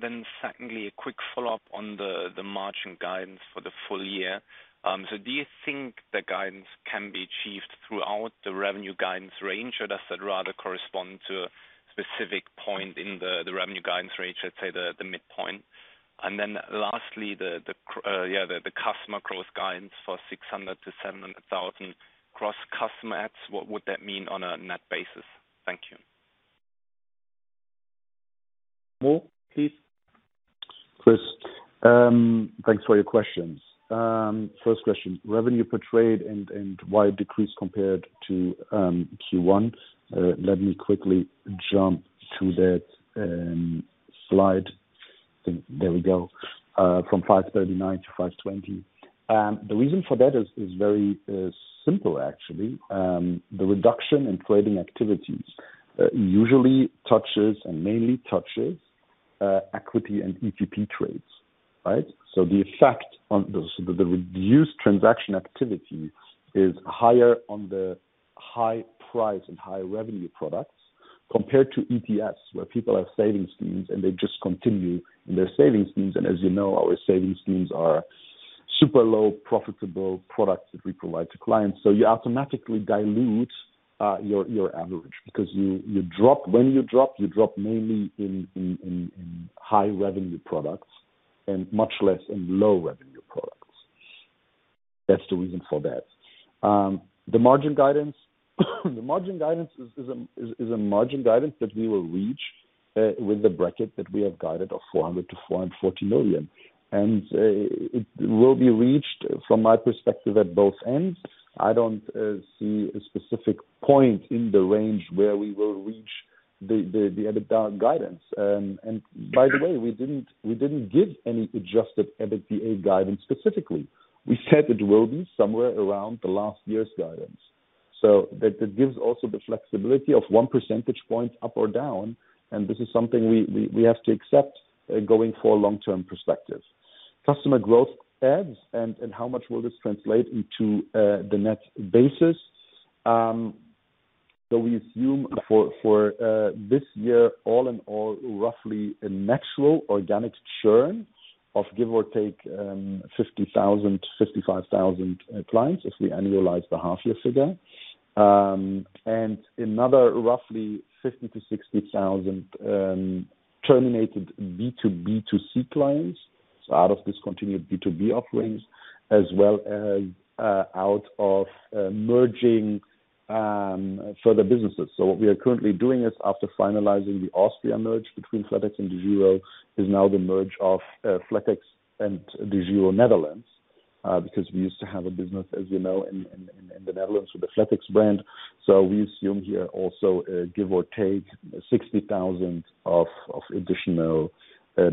Then secondly, a quick follow-up on the margin guidance for the full year. So do you think the guidance can be achieved throughout the revenue guidance range, or does that rather correspond to a specific point in the revenue guidance range, let's say the midpoint? Lastly, the customer growth guidance for 600-700 thousand gross customer adds, what would that mean on a net basis? Thank you. Mo, please. Chris, thanks for your questions. First question, revenue per trade and why it decreased compared to Q1. Let me quickly jump to that slide. There we go. From 5.39-5.20. The reason for that is very simple, actually. The reduction in trading activities usually touches and mainly touches equity and ETP trades, right? So the effect on those, the reduced transaction activity is higher on the high price and high revenue products compared to ETFs, where people have savings needs, and they just continue in their savings needs. As you know, our savings needs are super low profitable products that we provide to clients. You automatically dilute your average because you drop. When you drop, you drop mainly in high revenue products and much less in low revenue products. That's the reason for that. The margin guidance is a margin guidance that we will reach with the bracket that we have guided of 400 million-440 million. It will be reached, from my perspective, at both ends. I don't see a specific point in the range where we will reach the EBITDA guidance. By the way, we didn't give any adjusted EBITDA guidance specifically. We said it will be somewhere around the last year's guidance. That gives also the flexibility of 1 percentage point up or down, and this is something we have to accept going for long-term perspective. Customer growth adds and how much will this translate into the net basis. We assume for this year all in all, roughly a natural organic churn of give or take 50,000-55,000 clients if we annualize the half year figure. And another roughly 50,000-60,000 terminated B2B to C clients out of discontinued B2B offerings, as well as out of merging further businesses. What we are currently doing is after finalizing the Austria merge between Flatex and DEGIRO is now the merge of Flatex and the DEGIRO Netherlands, because we used to have a business, as you know, in the Netherlands with the Flatex brand. We assume here also give or take 60,000 of additional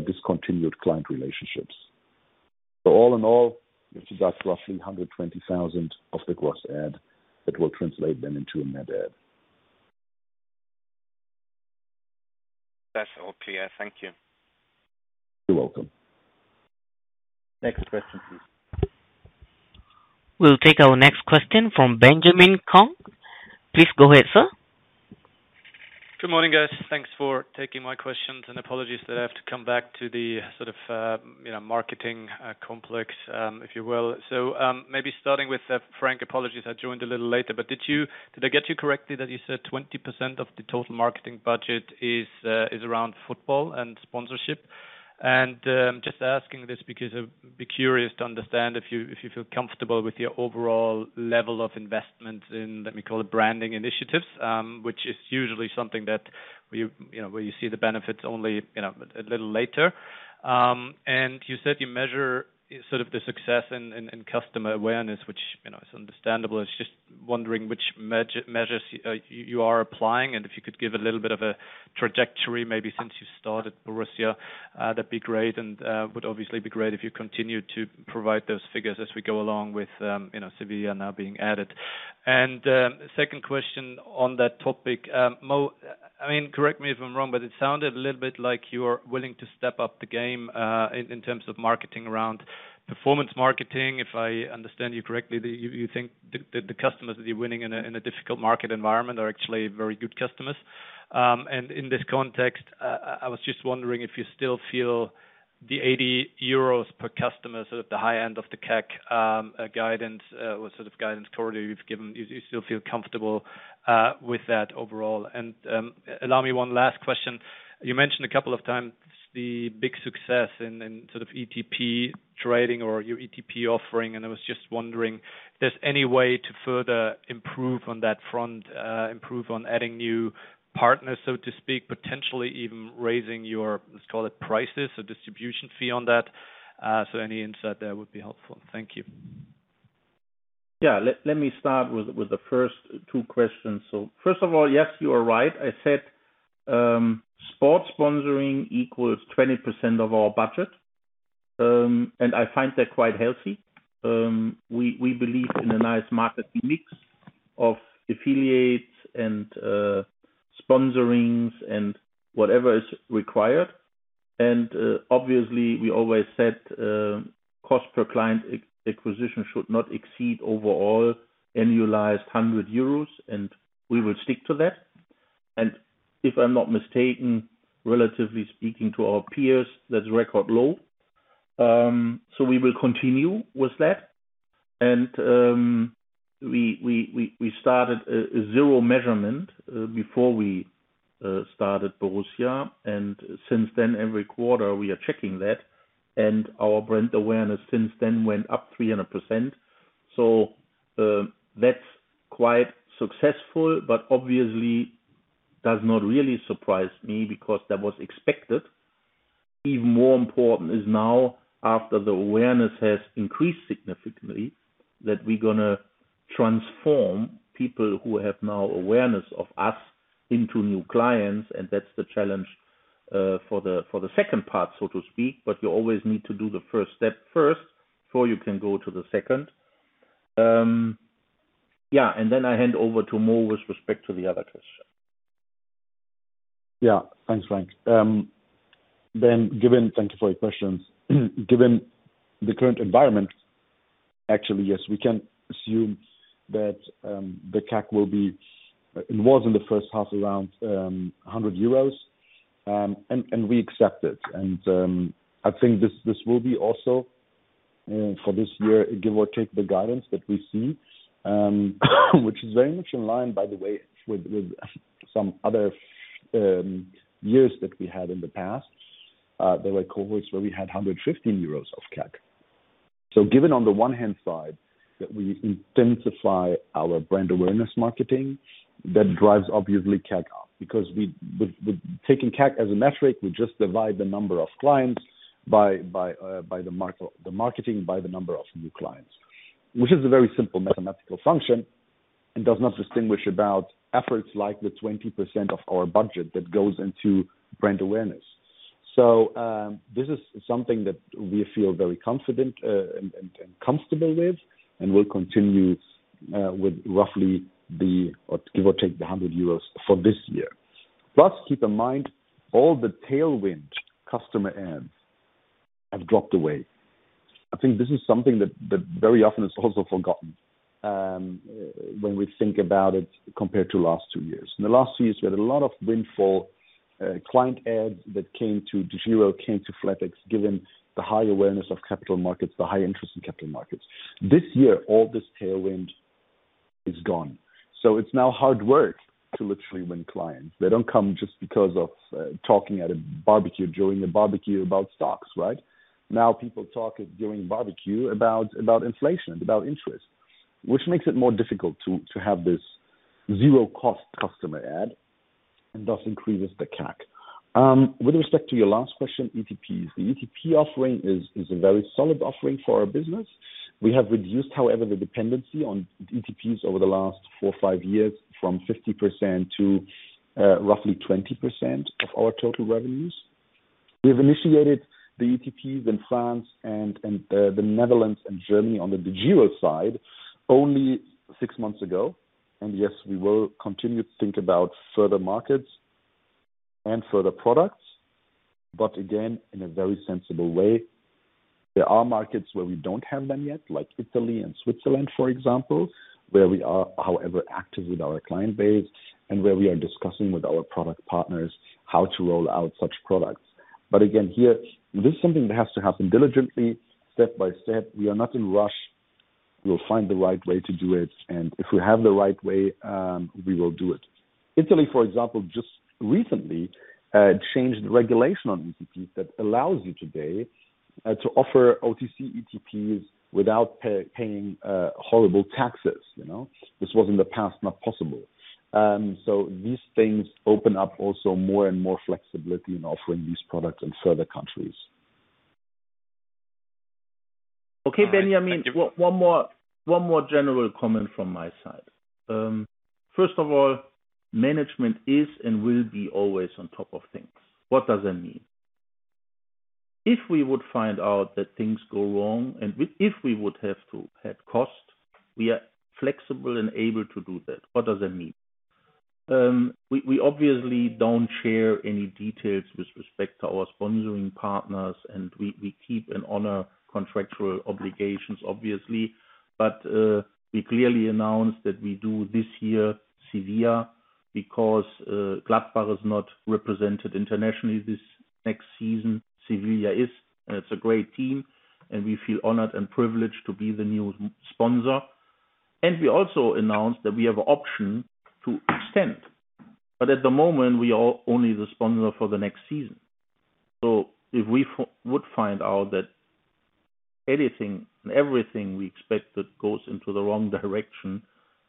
discontinued client relationships. All in all, which is that roughly 120,000 of the gross add that will translate them into a net add. That's all clear. Thank you. You're welcome. Next question, please. We'll take our next question from Benjamin [Konk]. Please go ahead, sir. Good morning, guys. Thanks for taking my questions. Apologies that I have to come back to the sort of, you know, marketing, complex, if you will. Maybe starting with, Frank, apologies, I joined a little later, but did I get you correctly that you said 20% of the total marketing budget is around football and sponsorship? Just asking this because I'd be curious to understand if you feel comfortable with your overall level of investment in, let me call it branding initiatives, which is usually something that you know where you see the benefits only, you know, a little later. You said you measure sort of the success in customer awareness, which, you know, is understandable. I'm just wondering which measures you are applying, and if you could give a little bit of a trajectory, maybe since you started Borussia, that'd be great. Would obviously be great if you continued to provide those figures as we go along with, you know, Sevilla now being added. Second question on that topic. Mo, I mean, correct me if I'm wrong, but it sounded a little bit like you are willing to step up the game in terms of marketing around performance marketing. If I understand you correctly, that you think the customers that you're winning in a difficult market environment are actually very good customers. In this context, I was just wondering if you still feel the 80 euros per customer, sort of the high end of the CAC guidance, or sort of guidance currently you've given, you still feel comfortable with that overall? Allow me one last question. You mentioned a couple of times the big success in sort of ETP trading or your ETP offering, and I was just wondering if there's any way to further improve on that front, improve on adding new partners, so to speak, potentially even raising your, let's call it prices or distribution fee on that. So any insight there would be helpful. Thank you. Yeah. Let me start with the first two questions. First of all, yes, you are right. I said, sports sponsoring equals 20% of our budget, and I find that quite healthy. We believe in a nice market mix of affiliates and sponsoring and whatever is required. Obviously, we always said, cost per client acquisition should not exceed overall annualized 100 euros, and we will stick to that. If I'm not mistaken, relatively speaking to our peers, that's record low. We will continue with that. We started a zero measurement before we started Borussia. Since then, every quarter we are checking that, and our brand awareness since then went up 300%. That's quite successful, but obviously does not really surprise me because that was expected. Even more important is now after the awareness has increased significantly, that we're gonna transform people who have now awareness of us into new clients, and that's the challenge for the second part, so to speak, but you always need to do the first step first before you can go to the second. I hand over to Mo with respect to the other question. Thanks, Frank. Thank you for your questions. Given the current environment, actually, yes, we can assume that the CAC it was in the first half around 100 euros, and we accept it. I think this will be also for this year, give or take the guidance that we see, which is very much in line, by the way, with some other years that we had in the past. There were cohorts where we had 115 euros of CAC. Given on the one hand side that we intensify our brand awareness marketing, that drives obviously CAC up because with taking CAC as a metric, we just divide the marketing by the number of new clients, which is a very simple mathematical function and does not distinguish about efforts like the 20% of our budget that goes into brand awareness. This is something that we feel very confident and comfortable with, and we'll continue with roughly, or give or take, 100 euros for this year. Plus, keep in mind, all the tailwind customer adds have dropped away. I think this is something that very often is also forgotten, when we think about it compared to the last two years. In the last two years, we had a lot of windfall client adds that came to DEGIRO, came to Flatex, given the high awareness of capital markets, the high interest in capital markets. This year, all this tailwind is gone. It's now hard work to literally win clients. They don't come just because of talking during a barbecue about stocks, right? Now, people talk during barbecue about inflation, about interest, which makes it more difficult to have this zero-cost customer acquisition and thus increases the CAC. With respect to your last question, ETPs. The ETP offering is a very solid offering for our business. We have reduced, however, the dependency on ETPs over the last four or five years from 50% to roughly 20% of our total revenues. We've initiated the ETPs in France and the Netherlands and Germany on the DEGIRO side only six months ago. Yes, we will continue to think about further markets and further products, but again, in a very sensible way. There are markets where we don't have them yet, like Italy and Switzerland, for example, where we are, however, active with our client base and where we are discussing with our product partners how to roll out such products. Again, here, this is something that has to happen diligently, step by step. We are not in rush. We'll find the right way to do it. If we have the right way, we will do it. Italy, for example, just recently changed the regulation on ETPs that allows you today to offer OTC ETPs without paying horrible taxes. You know? This was in the past, not possible. These things open up also more and more flexibility in offering these products in further countries. Okay, Benjamin. One more general comment from my side. First of all, management is and will be always on top of things. What does that mean? If we would find out that things go wrong, and if we would have to cut costs, we are flexible and able to do that. What does that mean? We obviously don't share any details with respect to our sponsoring partners, and we keep and honor contractual obligations, obviously. We clearly announced that we do this year Sevilla because Gladbach is not represented internationally this next season. Sevilla is, and it's a great team, and we feel honored and privileged to be the new sponsor. We also announced that we have option to extend. At the moment, we are only the sponsor for the next season. If we would find out that anything and everything we expect that goes into the wrong direction,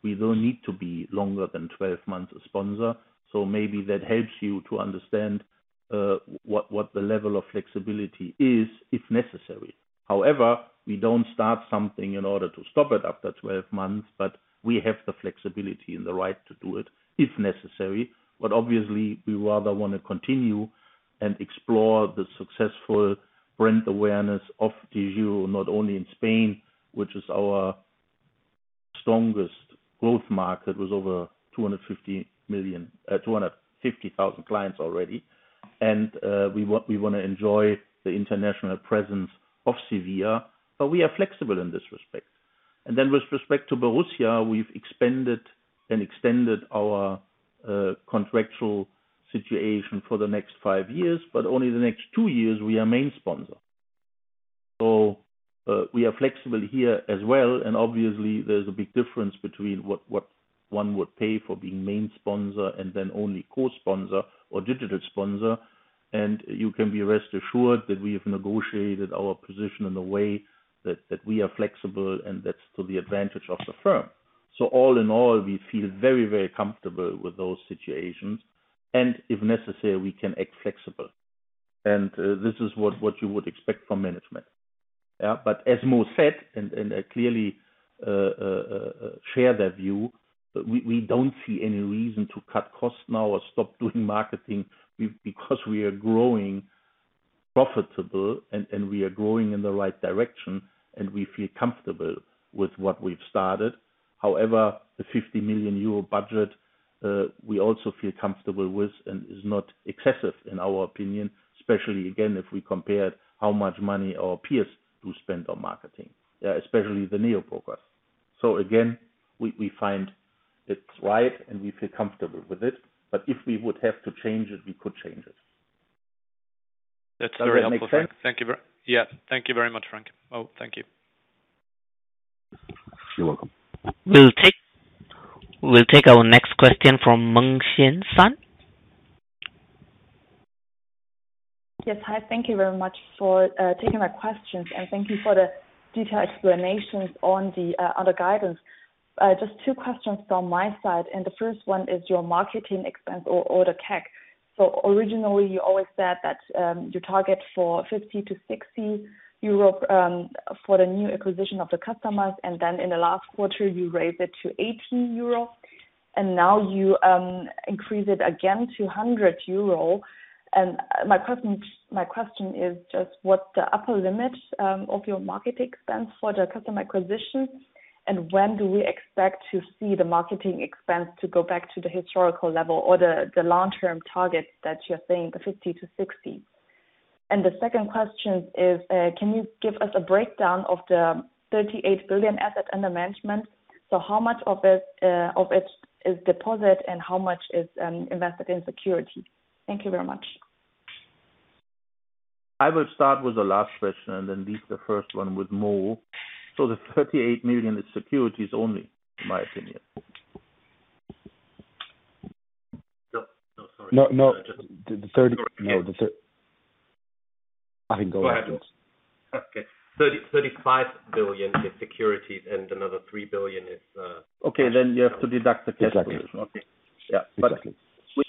we don't need to be longer than 12 months as a sponsor. Maybe that helps you to understand what the level of flexibility is, if necessary. However, we don't start something in order to stop it after 12 months, but we have the flexibility and the right to do it, if necessary. Obviously, we rather wanna continue and explore the successful brand awareness of DEGIRO, not only in Spain, which is our strongest growth market, with over 250,000 clients already. We wanna enjoy the international presence of Sevilla, but we are flexible in this respect. Then with respect to Borussia, we've expanded and extended our contractual situation for the next five years, but only the next two years we are main sponsor. We are flexible here as well. Obviously, there's a big difference between what one would pay for being main sponsor and then only co-sponsor or digital sponsor. You can be rest assured that we have negotiated our position in a way that we are flexible, and that's to the advantage of the firm. All in all, we feel very, very comfortable with those situations, and if necessary, we can act flexible. This is what you would expect from management. Yeah. As Mo said, and I clearly share that view, we don't see any reason to cut costs now or stop doing marketing because we are growing profitable and we are growing in the right direction, and we feel comfortable with what we've started. However, the 50 million euro budget, we also feel comfortable with and is not excessive in our opinion, especially again, if we compare how much money our peers do spend on marketing, especially the Neobrokers. Again, we find it's right and we feel comfortable with it. If we would have to change it, we could change it. That's very helpful. Does that make sense? Thank you. Yeah. Thank you very much, Frank. Mo, thank you. You're welcome. We'll take our next question from Mengxian Sun. Yes. Hi, thank you very much for taking my questions, and thank you for the detailed explanations on the guidance. Just two questions from my side, and the first one is your marketing expense or the CAC. Originally, you always said that you target 50-60 euro for the new acquisition of the customers, and then in the last quarter, you raised it to 80 euro. Now you increase it again to 100 euro. My question is just what the upper limits of your marketing spends for the customer acquisition and when do we expect to see the marketing expense to go back to the historical level or the long-term targets that you're saying, 50-60? The second question is, can you give us a breakdown of the 38 billion asset under management? How much of it is deposit and how much is invested in security? Thank you very much. I will start with the last question and then leave the first one with Mo. The 38 million is securities only, in my opinion. No, no, sorry. No, no. The 30. Sorry. No. I can go after. Go ahead, please. Okay. 30 billion-35 billion is securities and another 3 billion is. Okay. You have to deduct the cash. Yeah.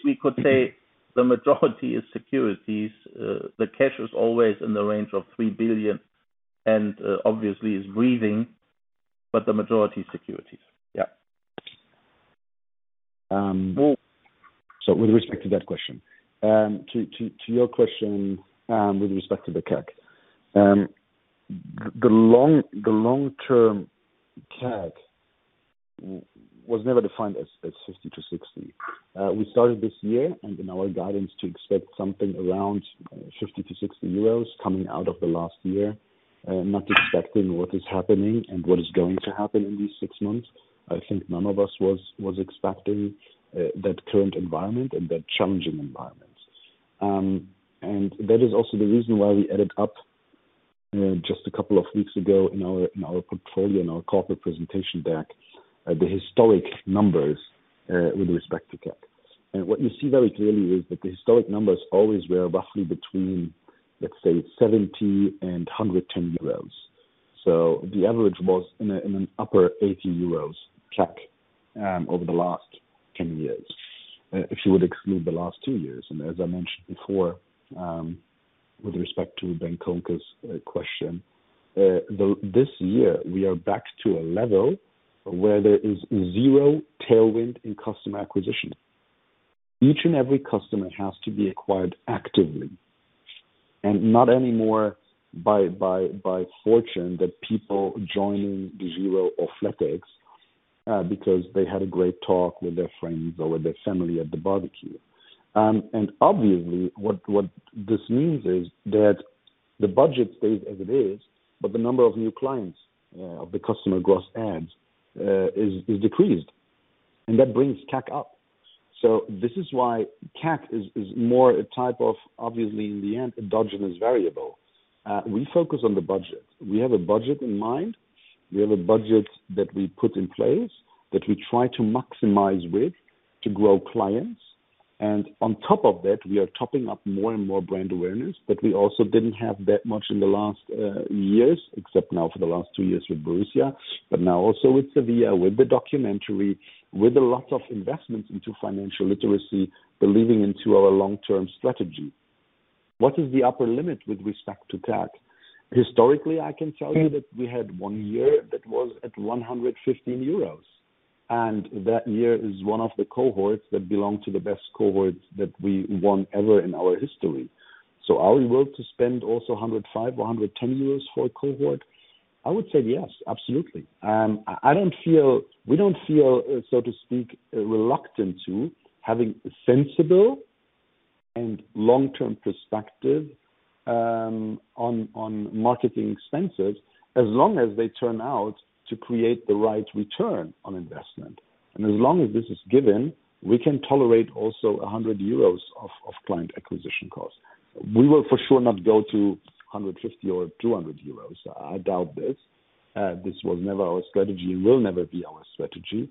We could say the majority is securities. The cash is always in the range of 3 billion and obviously is breathing, but the majority is securities. Yeah. With respect to that question. To your question, with respect to the CAC. The long-term CAC was never defined as 50-60. We started this year and in our guidance to expect something around 50-60 euros coming out of the last year, not expecting what is happening and what is going to happen in these six months. I think none of us was expecting that current environment and that challenging environment. That is also the reason why we added up just a couple of weeks ago in our portfolio in our corporate presentation deck the historic numbers with respect to CAC. What you see very clearly is that the historic numbers always were roughly between, let's say 70-110 euros. The average was in an upperEUR 80 CAC over the last 10 years. If you would exclude the last two years. As I mentioned before with respect to Ben [Konk's] question this year we are back to a level where there is zero tailwind in customer acquisition. Each and every customer has to be acquired actively and not anymore by fortune that people joining DEGIRO or Flatex because they had a great talk with their friends or with their family at the barbecue. Obviously what this means is that the budget stays as it is, but the number of new clients of the customer gross adds is decreased, and that brings CAC up. This is why CAC is more a type of obviously in the end endogenous variable. We focus on the budget. We have a budget in mind. We have a budget that we put in place that we try to maximize with to grow clients. On top of that, we are topping up more and more brand awareness that we also didn't have that much in the last years, except now for the last two years with Borussia, but now also with Sevilla, with the documentary, with a lot of investments into financial literacy, believing into our long-term strategy. What is the upper limit with respect to CAC? Historically, I can tell you that we had one year that was at 115 euros, and that year is one of the cohorts that belong to the best cohorts that we won ever in our history. Are we willing to spend also 105 or 110 euros for a cohort? I would say yes, absolutely. I don't feel. We don't feel, so to speak, reluctant to having sensible and long-term perspective on marketing expenses as long as they turn out to create the right return on investment. As long as this is given, we can tolerate also 100 euros of client acquisition costs. We will for sure not go to 150 or 200 euros. I doubt this. This was never our strategy and will never be our strategy.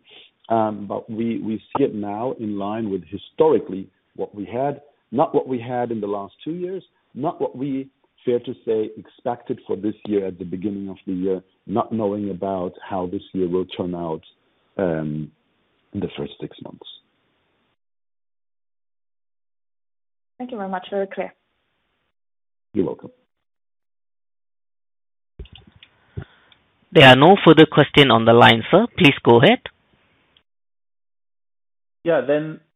We see it now in line with historically what we had. Not what we had in the last two years, not what we fair to say expected for this year at the beginning of the year, not knowing about how this year will turn out in the first six months. Thank you very much. Very clear. You're welcome. There are no further questions on the line, sir. Please go ahead. Yeah.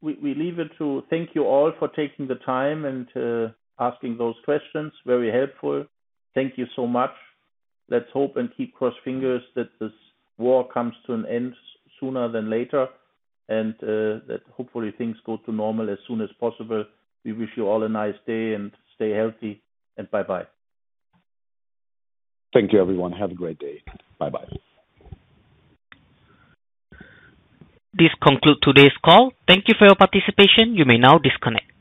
We leave it to thank you all for taking the time and asking those questions. Very helpful. Thank you so much. Let's hope and keep fingers crossed that this war comes to an end sooner than later. That hopefully things go to normal as soon as possible. We wish you all a nice day and stay healthy and bye-bye. Thank you, everyone. Have a great day. Bye-bye. This concludes today's call. Thank you for your participation. You may now disconnect.